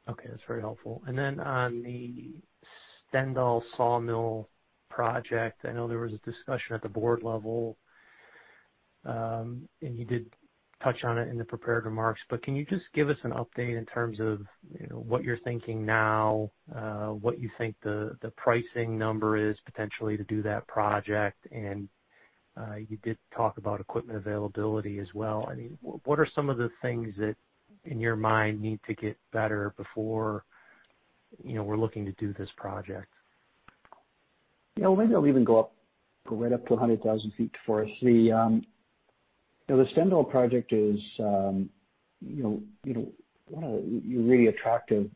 Okay, that's very helpful. On the Stendal sawmill project, I know there was a discussion at the board level, and you did touch on it in the prepared remarks, but can you just give us an update in terms of, you know, what you're thinking now, what you think the pricing number is potentially to do that project? You did talk about equipment availability as well. I mean, what are some of the things that in your mind need to get better before, you know, we're looking to do this project? Yeah. Well, maybe I'll even go right up to a hundred thousand feet, DeForest. The Stendal project is one of the really attractive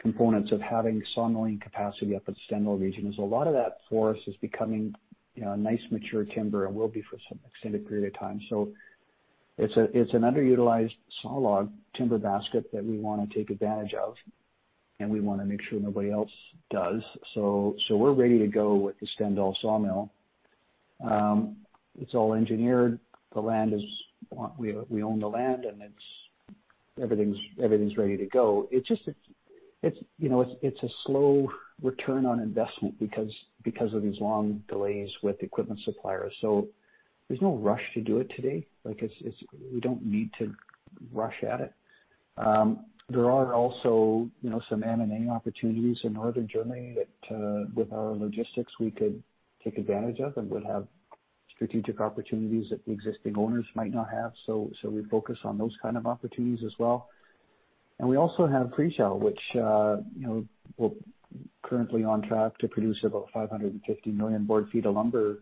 components of having sawmilling capacity up at Stendal region is a lot of that forest is becoming nice mature timber and will be for some extended period of time. It's an underutilized saw log timber basket that we wanna take advantage of, and we wanna make sure nobody else does. We're ready to go with the Stendal sawmill. It's all engineered. The land is. We own the land, and it's. Everything's ready to go. It's a slow return on investment because of these long delays with equipment suppliers. There's no rush to do it today. We don't need to rush at it. There are also some M&A opportunities in Northern Germany that with our logistics we could take advantage of and would have strategic opportunities that the existing owners might not have. We focus on those kind of opportunities as well. We also have Friesau, which we're currently on track to produce about 550 million board feet of lumber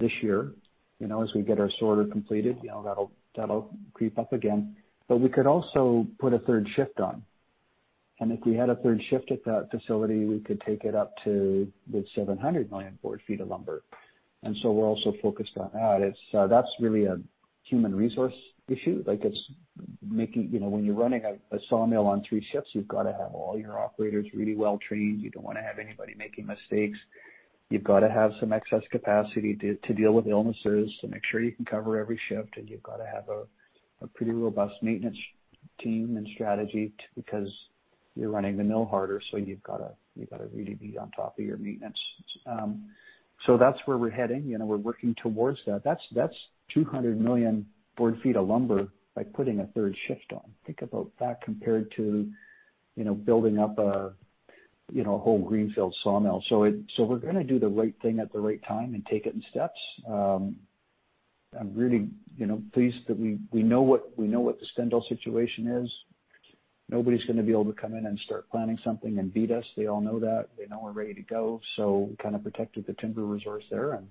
this year. As we get our sorter completed, that'll creep up again. We could also put a third shift on. If we had a third shift at that facility, we could take it up to the 700 million board feet of lumber. We're also focused on that. It's... That's really a human resource issue. Like it's making you know, when you're running a sawmill on three shifts, you've got to have all your operators really well trained. You don't wanna have anybody making mistakes. You've got to have some excess capacity to deal with illnesses, to make sure you can cover every shift. You've got to have a pretty robust maintenance team and strategy because you're running the mill harder, so you've gotta really be on top of your maintenance. That's where we're heading. You know, we're working towards that. That's 200 million board feet of lumber by putting a third shift on. Think about that compared to, you know, building up a, you know, a whole greenfield sawmill. We're gonna do the right thing at the right time and take it in steps. I'm really, you know, pleased that we know what the Stendal situation is. Nobody's gonna be able to come in and start planning something and beat us. They all know that. They know we're ready to go. We kind of protected the timber resource there, and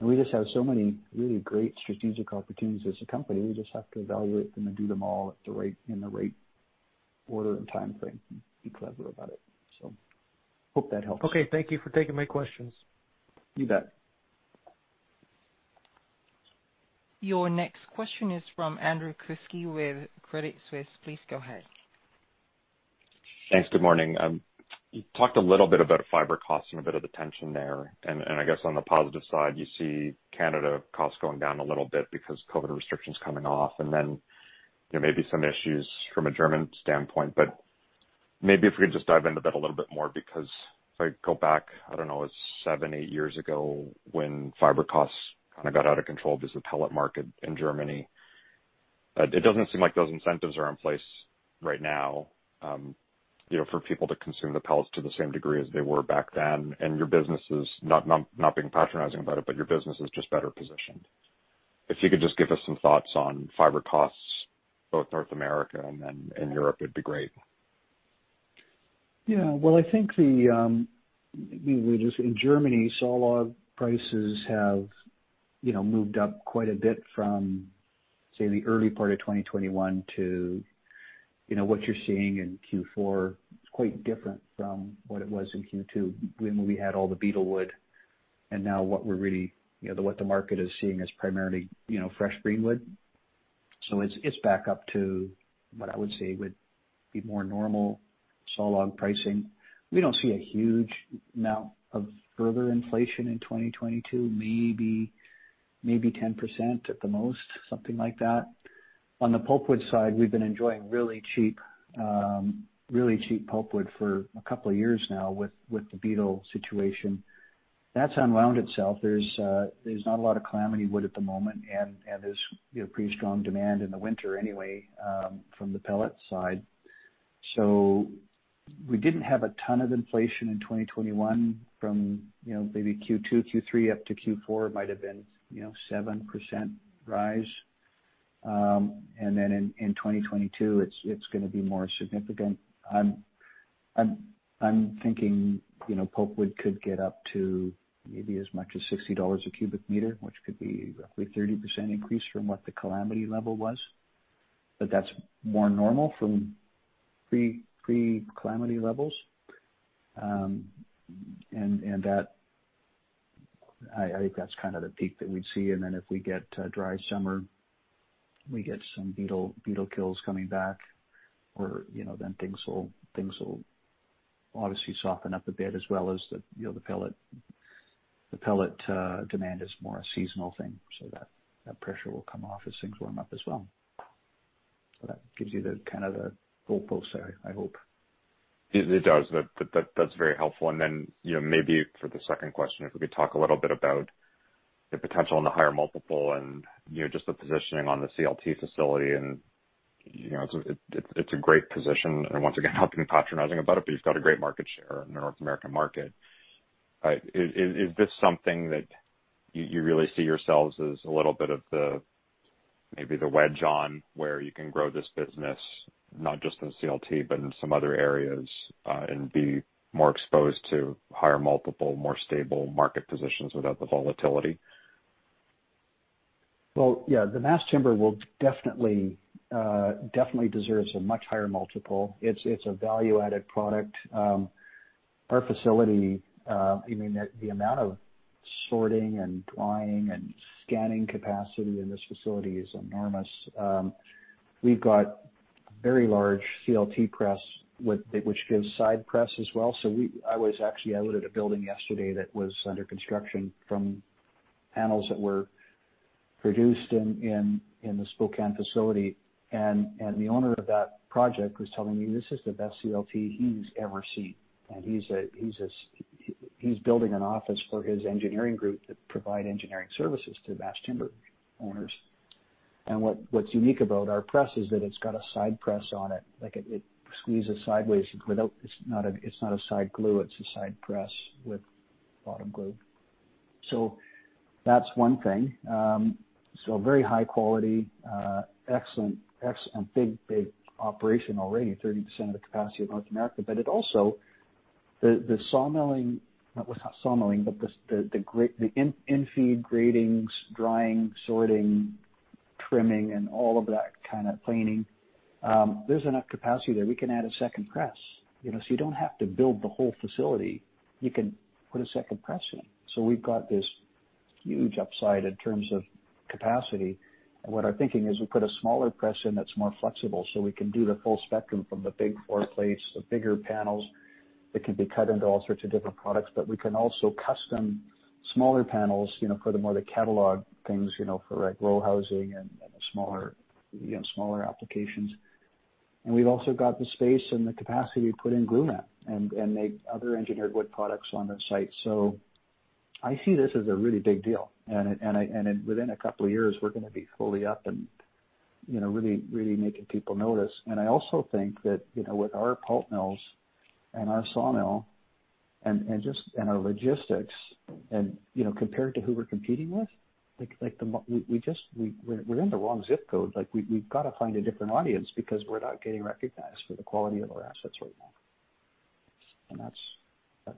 we just have so many really great strategic opportunities as a company. We just have to evaluate them and do them all in the right order and timeframe and be clever about it. Hope that helps. Okay. Thank you for taking my questions. You bet. Your next question is from Andrew Kuske with Credit Suisse. Please go ahead. Thanks. Good morning. You talked a little bit about fiber costs and a bit of the tension there. I guess on the positive side, you see Canada costs going down a little bit because of COVID restrictions coming off and then, you know, maybe some issues from a German standpoint. Maybe if we could just dive into that a little bit more, because if I go back, I don't know, it was seven, eight years ago when fiber costs kind of got out of control because the pellet market in Germany. It doesn't seem like those incentives are in place right now, you know, for people to consume the pellets to the same degree as they were back then. Your business is not being patronizing about it, but your business is just better positioned. If you could just give us some thoughts on fiber costs, both North America and then in Europe, it'd be great? Yeah. Well, I think the, you know, in Germany, sawlog prices have, you know, moved up quite a bit from, say, the early part of 2021 to, you know, what you're seeing in Q4. It's quite different from what it was in Q2 when we had all the beetle wood. Now what we're really, you know, what the market is seeing is primarily, you know, fresh greenwood. It's back up to what I would say would be more normal sawlog pricing. We don't see a huge amount of further inflation in 2022, maybe 10% at the most, something like that. On the pulpwood side, we've been enjoying really cheap pulpwood for a couple of years now with the beetle situation. That's unwound itself. There's not a lot of calamity wood at the moment, and there's, you know, pretty strong demand in the winter anyway, from the pellet side. We didn't have a ton of inflation in 2021 from, you know, maybe Q2, Q3 up to Q4. It might have been, you know, 7% rise. In 2022, it's gonna be more significant. I'm thinking, you know, pulpwood could get up to maybe as much as $60 a cubic meter, which could be roughly 30% increase from what the calamity level was. That's more normal from pre-calamity levels. That I think that's kind of the peak that we'd see. If we get a dry summer, we get some beetle kills coming back or, you know, then things will obviously soften up a bit as well as the, you know, the pellet demand is more a seasonal thing, so that pressure will come off as things warm up as well. That gives you the kind of the full pulse there, I hope. It does. That's very helpful. You know, maybe for the second question, if we could talk a little bit about the potential in the higher multiple and, you know, just the positioning on the CLT facility and, you know, it's a great position and once again, not being patronizing about it, but you've got a great market share in the North American market. Is this something that you really see yourselves as a little bit of the, maybe the wedge on where you can grow this business, not just in CLT, but in some other areas, and be more exposed to higher multiple, more stable market positions without the volatility? Well, yeah, the mass timber will definitely deserves a much higher multiple. It's a value-added product. I mean, the amount of sorting and drying and scanning capacity in this facility is enormous. We've got a very large CLT press with a side press as well. I was actually out at a building yesterday that was under construction from panels that were produced in the Spokane facility. The owner of that project was telling me this is the best CLT he's ever seen. He's building an office for his engineering group that provide engineering services to mass timber owners. What's unique about our press is that it's got a side press on it. Like, it squeezes sideways without... It's not a side glue, it's a side press with bottom glue. That's one thing. Very high quality, excellent, big operation already, 30% of the capacity of North America. It also, the sawmilling. Well, it's not sawmilling, but the infeed gradings, drying, sorting, trimming, and all of that kind of planing, there's enough capacity there. We can add a second press, you know. You don't have to build the whole facility, you can put a second press in. We've got this huge upside in terms of capacity. What I'm thinking is we put a smaller press in that's more flexible, so we can do the full spectrum from the big floor plates, the bigger panels that can be cut into all sorts of different products, but we can also custom smaller panels, you know, for the more the catalog things, you know, for like log housing and the smaller, you know, smaller applications. We've also got the space and the capacity to put in glulam and make other engineered wood products on the site. So I see this as a really big deal. Within a couple of years, we're gonna be fully up and, you know, really making people notice. I also think that, you know, with our pulp mills and our sawmill and just. Our logistics and, you know, compared to who we're competing with, like we're in the wrong zip code. Like, we've gotta find a different audience because we're not getting recognized for the quality of our assets right now.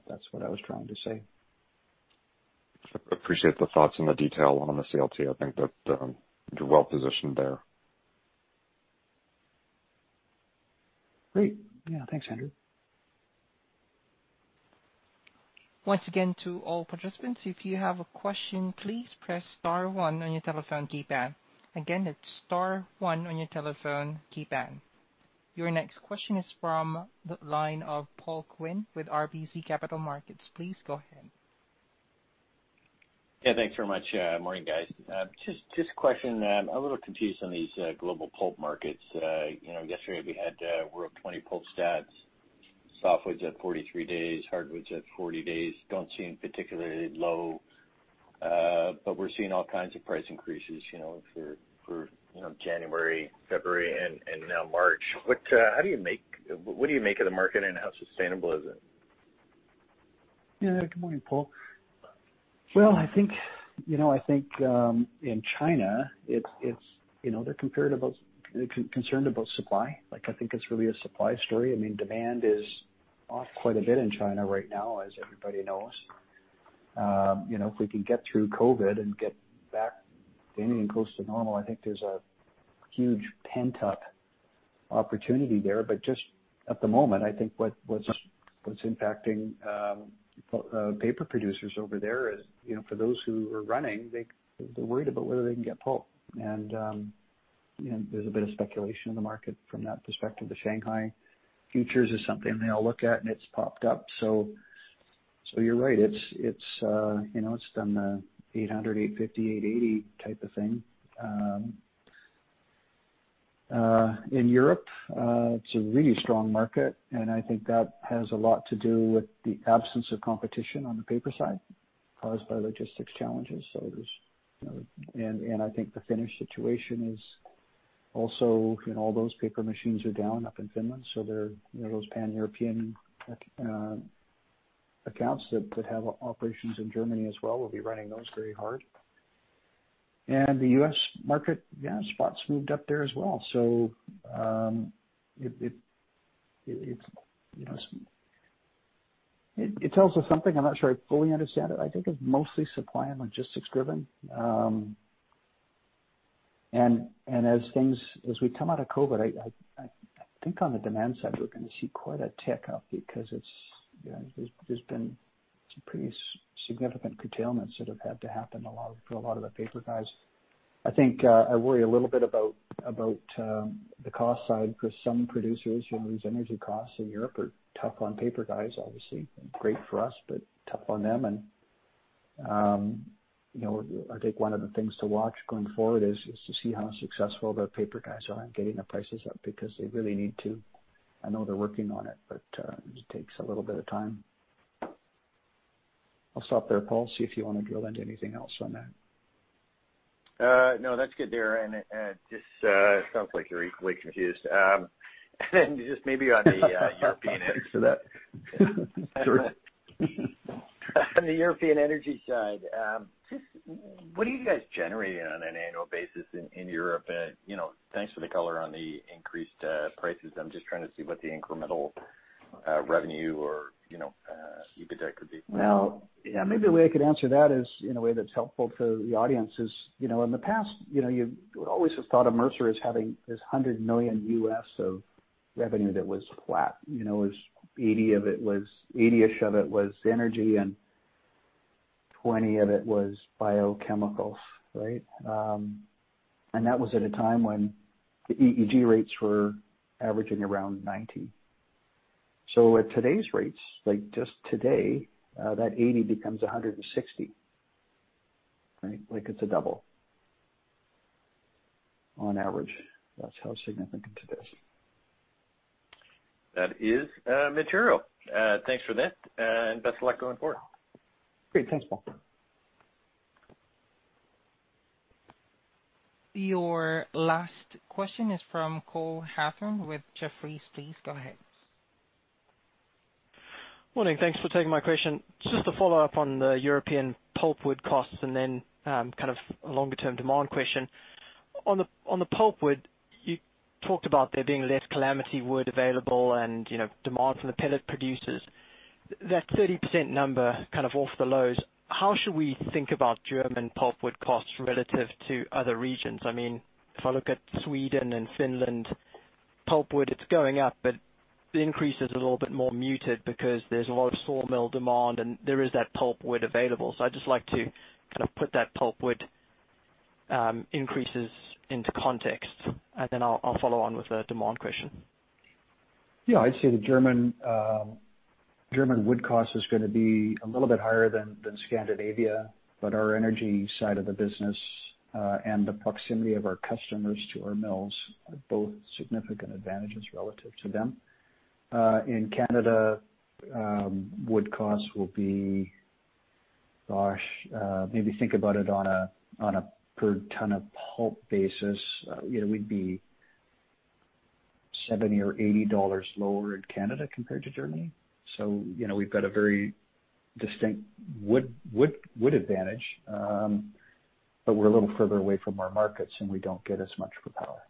That's what I was trying to say. I appreciate the thoughts and the detail on the CLT. I think that, you're well positioned there. Great. Yeah. Thanks, Andrew. Once again, to all participants, if you have a question, please press star one on your telephone keypad. Again, it's star one on your telephone keypad. Your next question is from the line of Paul Quinn with RBC Capital Markets. Please go ahead. Yeah, thanks very much. Morning, guys. Just a question, a little confused on these global pulp markets. You know, yesterday we had World 20 pulp stats. Softwood's at 43 days, hardwood's at 40 days. Don't seem particularly low, but we're seeing all kinds of price increases, you know, for January, February, and now March. What do you make of the market, and how sustainable is it? Yeah. Good morning, Paul. Well, I think, you know, I think in China it's, you know, they're concerned about supply. Like, I think it's really a supply story. I mean, demand is off quite a bit in China right now, as everybody knows. You know, if we can get through COVID and get back to anything close to normal, I think there's a huge pent-up opportunity there. But just at the moment, I think what's impacting paper producers over there is, you know, for those who are running, they're worried about whether they can get pulp. You know, there's a bit of speculation in the market from that perspective. The Shanghai Futures is something they all look at, and it's popped up. You're right, it's been the $800, $850, $880 type of thing. In Europe, it's a really strong market, and I think that has a lot to do with the absence of competition on the paper side caused by logistics challenges. I think the Finnish situation is also, all those paper machines are down in Finland, so those Pan-European accounts that have operations in Germany as well will be running those very hard. The U.S. market, yeah, spots moved up there as well. It tells us something. I'm not sure I fully understand it. I think it's mostly supply and logistics driven, as things As we come out of COVID, I think on the demand side, we're gonna see quite a tick up because it's, there has been some pretty significant curtailments that have had to happen a lot for a lot of the paper guys. I think, I worry a little bit about the cost side for some producers. These energy costs in Europe are tough on paper guys, obviously. Great for us, but tough on them. I think one of the things to watch going forward is to see how successful the paper guys are in getting the prices up because they really need to. I know they're working on it, but it takes a little bit of time. I'll stop there, Paul, see if you wanna drill into anything else on that. No, that's good there. Just sounds like you're equally confused. Just maybe on the European end. Thanks for that. Sure. On the European energy side, just what are you guys generating on an annual basis in Europe? You know, thanks for the color on the increased prices. I'm just trying to see what the incremental revenue or, you know, EBITDA could be. Well, yeah, maybe the way I could answer that is in a way that's helpful for the audience is, you know, in the past, you know, you always just thought of Mercer as having this $100 million of revenue that was flat. You know, it was 80-ish of it was energy and 20 of it was biochemicals, right? And that was at a time when the EEG rates were averaging around 90. So at today's rates, like just today, that 80 becomes 160, right? Like, it's a double on average. That's how significant it is. That is, material. Thanks for that, and best of luck going forward. Great. Thanks, Paul. Your last question is from Cole Hathorn with Jefferies. Please go ahead. Morning. Thanks for taking my question. Just to follow up on the European pulpwood costs and then kind of a longer-term demand question. On the pulpwood, you talked about there being less calamity wood available and, you know, demand from the pellet producers. That 30% number kind of off the lows, how should we think about German pulpwood costs relative to other regions? I mean, if I look at Sweden and Finland pulpwood, it's going up, but the increase is a little bit more muted because there's a lot of sawmill demand, and there is that pulpwood available. I'd just like to kind of put that pulpwood increases into context. I'll follow on with the demand question. I'd say the German wood cost is gonna be a little bit higher than Scandinavia, but our energy side of the business and the proximity of our customers to our mills are both significant advantages relative to them. In Canada, wood costs will be maybe think about it on a per ton of pulp basis. You know, we'd be $70-$80 lower in Canada compared to Germany. You know, we've got a very distinct wood advantage, but we're a little further away from our markets, and we don't get as much for power.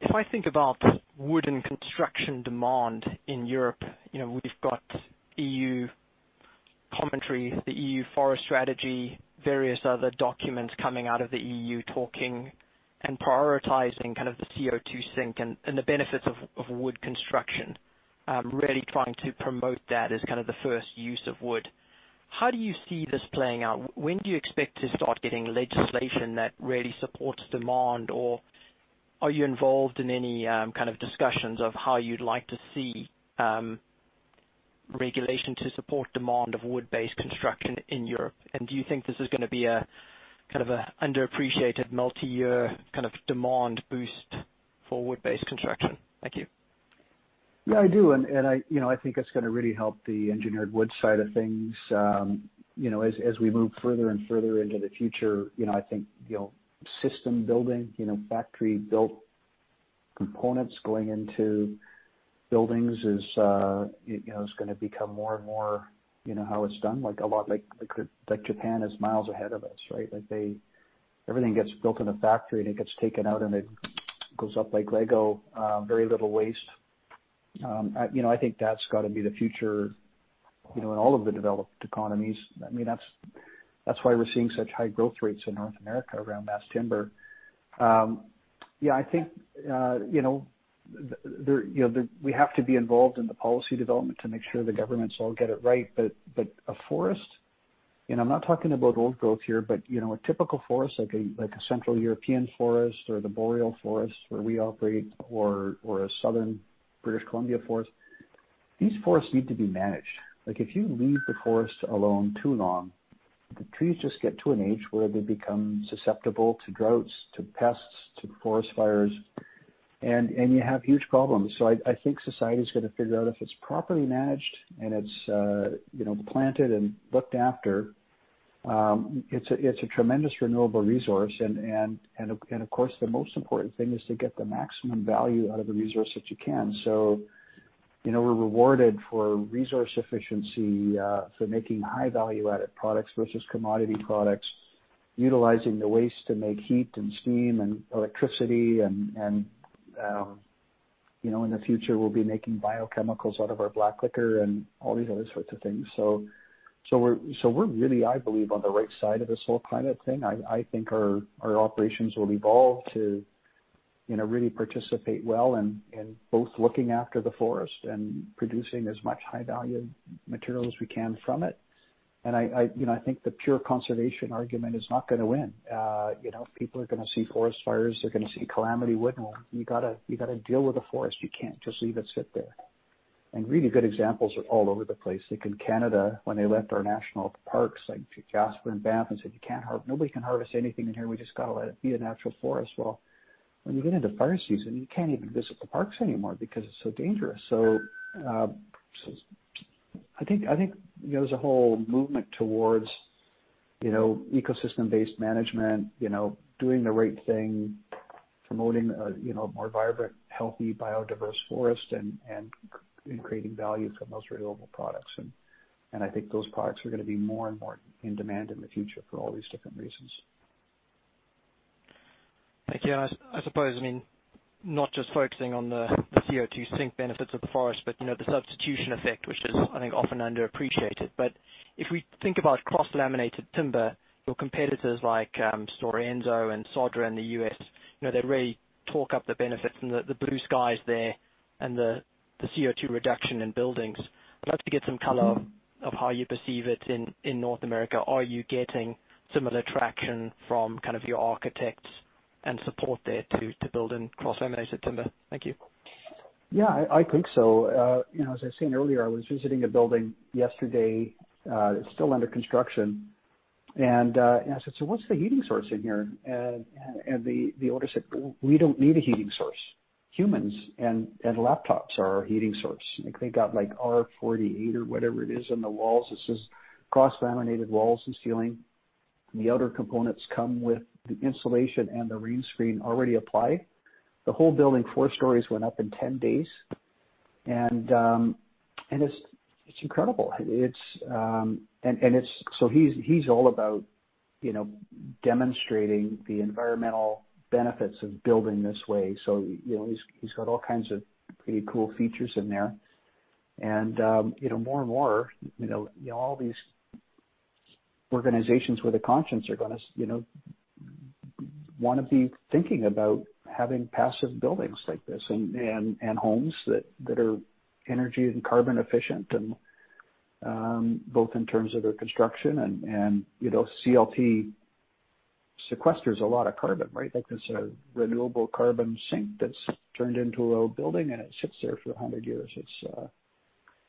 If I think about wood and construction demand in Europe, you know, we've got EU commentary, the EU Forest Strategy, various other documents coming out of the EU talking and prioritizing kind of the CO2 sink and the benefits of wood construction, really trying to promote that as kind of the first use of wood. How do you see this playing out? When do you expect to start getting legislation that really supports demand or are you involved in any kind of discussions of how you'd like to see regulation to support demand of wood-based construction in Europe? And do you think this is gonna be a kind of a underappreciated multi-year kind of demand boost for wood-based construction? Thank you. Yeah, I do. You know, I think it's gonna really help the engineered wood side of things. You know, as we move further and further into the future, you know, I think system building, you know, factory-built components going into buildings is you know, is gonna become more and more, you know, how it's done, like a lot like Japan is miles ahead of us, right? Like everything gets built in a factory, and it gets taken out, and it goes up like Lego, very little waste. You know, I think that's gotta be the future, you know, in all of the developed economies. I mean, that's why we're seeing such high growth rates in North America around mass timber. Yeah, I think you know we have to be involved in the policy development to make sure the governments all get it right. A forest, you know, I'm not talking about old growth here, but, you know, a typical forest, like a Central European forest or the Boreal Forest where we operate or a southern British Columbia forest, these forests need to be managed. Like, if you leave the forest alone too long, the trees just get to an age where they become susceptible to droughts, to pests, to forest fires, and you have huge problems. I think society's got to figure out if it's properly managed and it's, you know, planted and looked after, it's a tremendous renewable resource. Of course, the most important thing is to get the maximum value out of the resource that you can. You know, we're rewarded for resource efficiency, for making high value-added products versus commodity products, utilizing the waste to make heat and steam and electricity and, you know, in the future, we'll be making biochemicals out of our black liquor and all these other sorts of things. We're really, I believe, on the right side of this whole climate thing. You know, I think our operations will evolve to, you know, really participate well in both looking after the forest and producing as much high value material as we can from it. I think the pure conservation argument is not gonna win. You know, people are gonna see forest fires. They're gonna see calamity waiting. You gotta deal with the forest. You can't just leave it sit there. Really good examples are all over the place. Like in Canada, when they left our national parks like Jasper and Banff and said, "Nobody can harvest anything in here. We just gotta let it be a natural forest." Well, when you get into fire season, you can't even visit the parks anymore because it's so dangerous. I think, you know, there's a whole movement towards, you know, ecosystem-based management, you know, doing the right thing, promoting a, you know, more vibrant, healthy, biodiverse forest and creating value from those renewable products. I think those products are gonna be more and more in demand in the future for all these different reasons. Thank you. I suppose, I mean, not just focusing on the CO2 sink benefits of the forest, but you know, the substitution effect, which is I think often underappreciated. If we think about cross-laminated timber, your competitors like Stora Enso and Södra in the U.S., you know, they really talk up the benefits and the blue skies there and the CO2 reduction in buildings. I'd like to get some color of how you perceive it in North America. Are you getting similar traction from kind of your architects and support there to build in cross-laminated timber? Thank you. Yeah, I think so. You know, as I was saying earlier, I was visiting a building yesterday that's still under construction. I said, "So what's the heating source in here?" The owner said, "We don't need a heating source. Humans and laptops are our heating source." Like, they got, like, R-48 or whatever it is on the walls. It's just cross-laminated walls and ceiling. The outer components come with the insulation and the rain screen already applied. The whole building, four stories, went up in 10 days. It's incredible. He's all about, you know, demonstrating the environmental benefits of building this way. You know, he's got all kinds of pretty cool features in there. You know, more and more, you know, all these organizations with a conscience are gonna wanna be thinking about having passive buildings like this and homes that are energy and carbon efficient and both in terms of their construction and you know, CLT sequesters a lot of carbon, right? Like, there's a renewable carbon sink that's turned into a building, and it sits there for 100 years.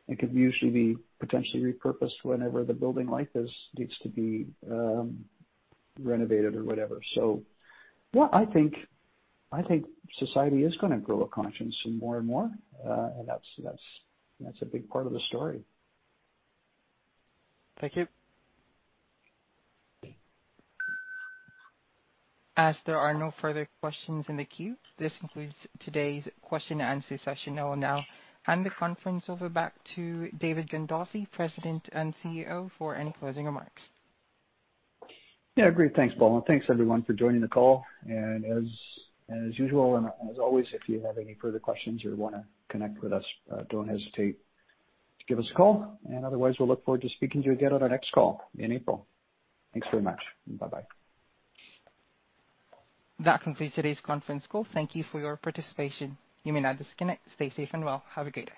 It could usually be potentially repurposed whenever the building like this needs to be renovated or whatever. Yeah, I think society is gonna grow a conscience more and more and that's a big part of the story. Thank you. As there are no further questions in the queue, this concludes today's question and answer session. I will now hand the conference over back to David Gandossi, President and CEO, for any closing remarks. Yeah, great. Thanks, Paul, and thanks, everyone, for joining the call. As usual and as always, if you have any further questions or wanna connect with us, don't hesitate to give us a call. Otherwise, we'll look forward to speaking to you again on our next call in April. Thanks very much, and bye-bye. That concludes today's conference call. Thank you for your participation. You may now disconnect. Stay safe and well. Have a great day.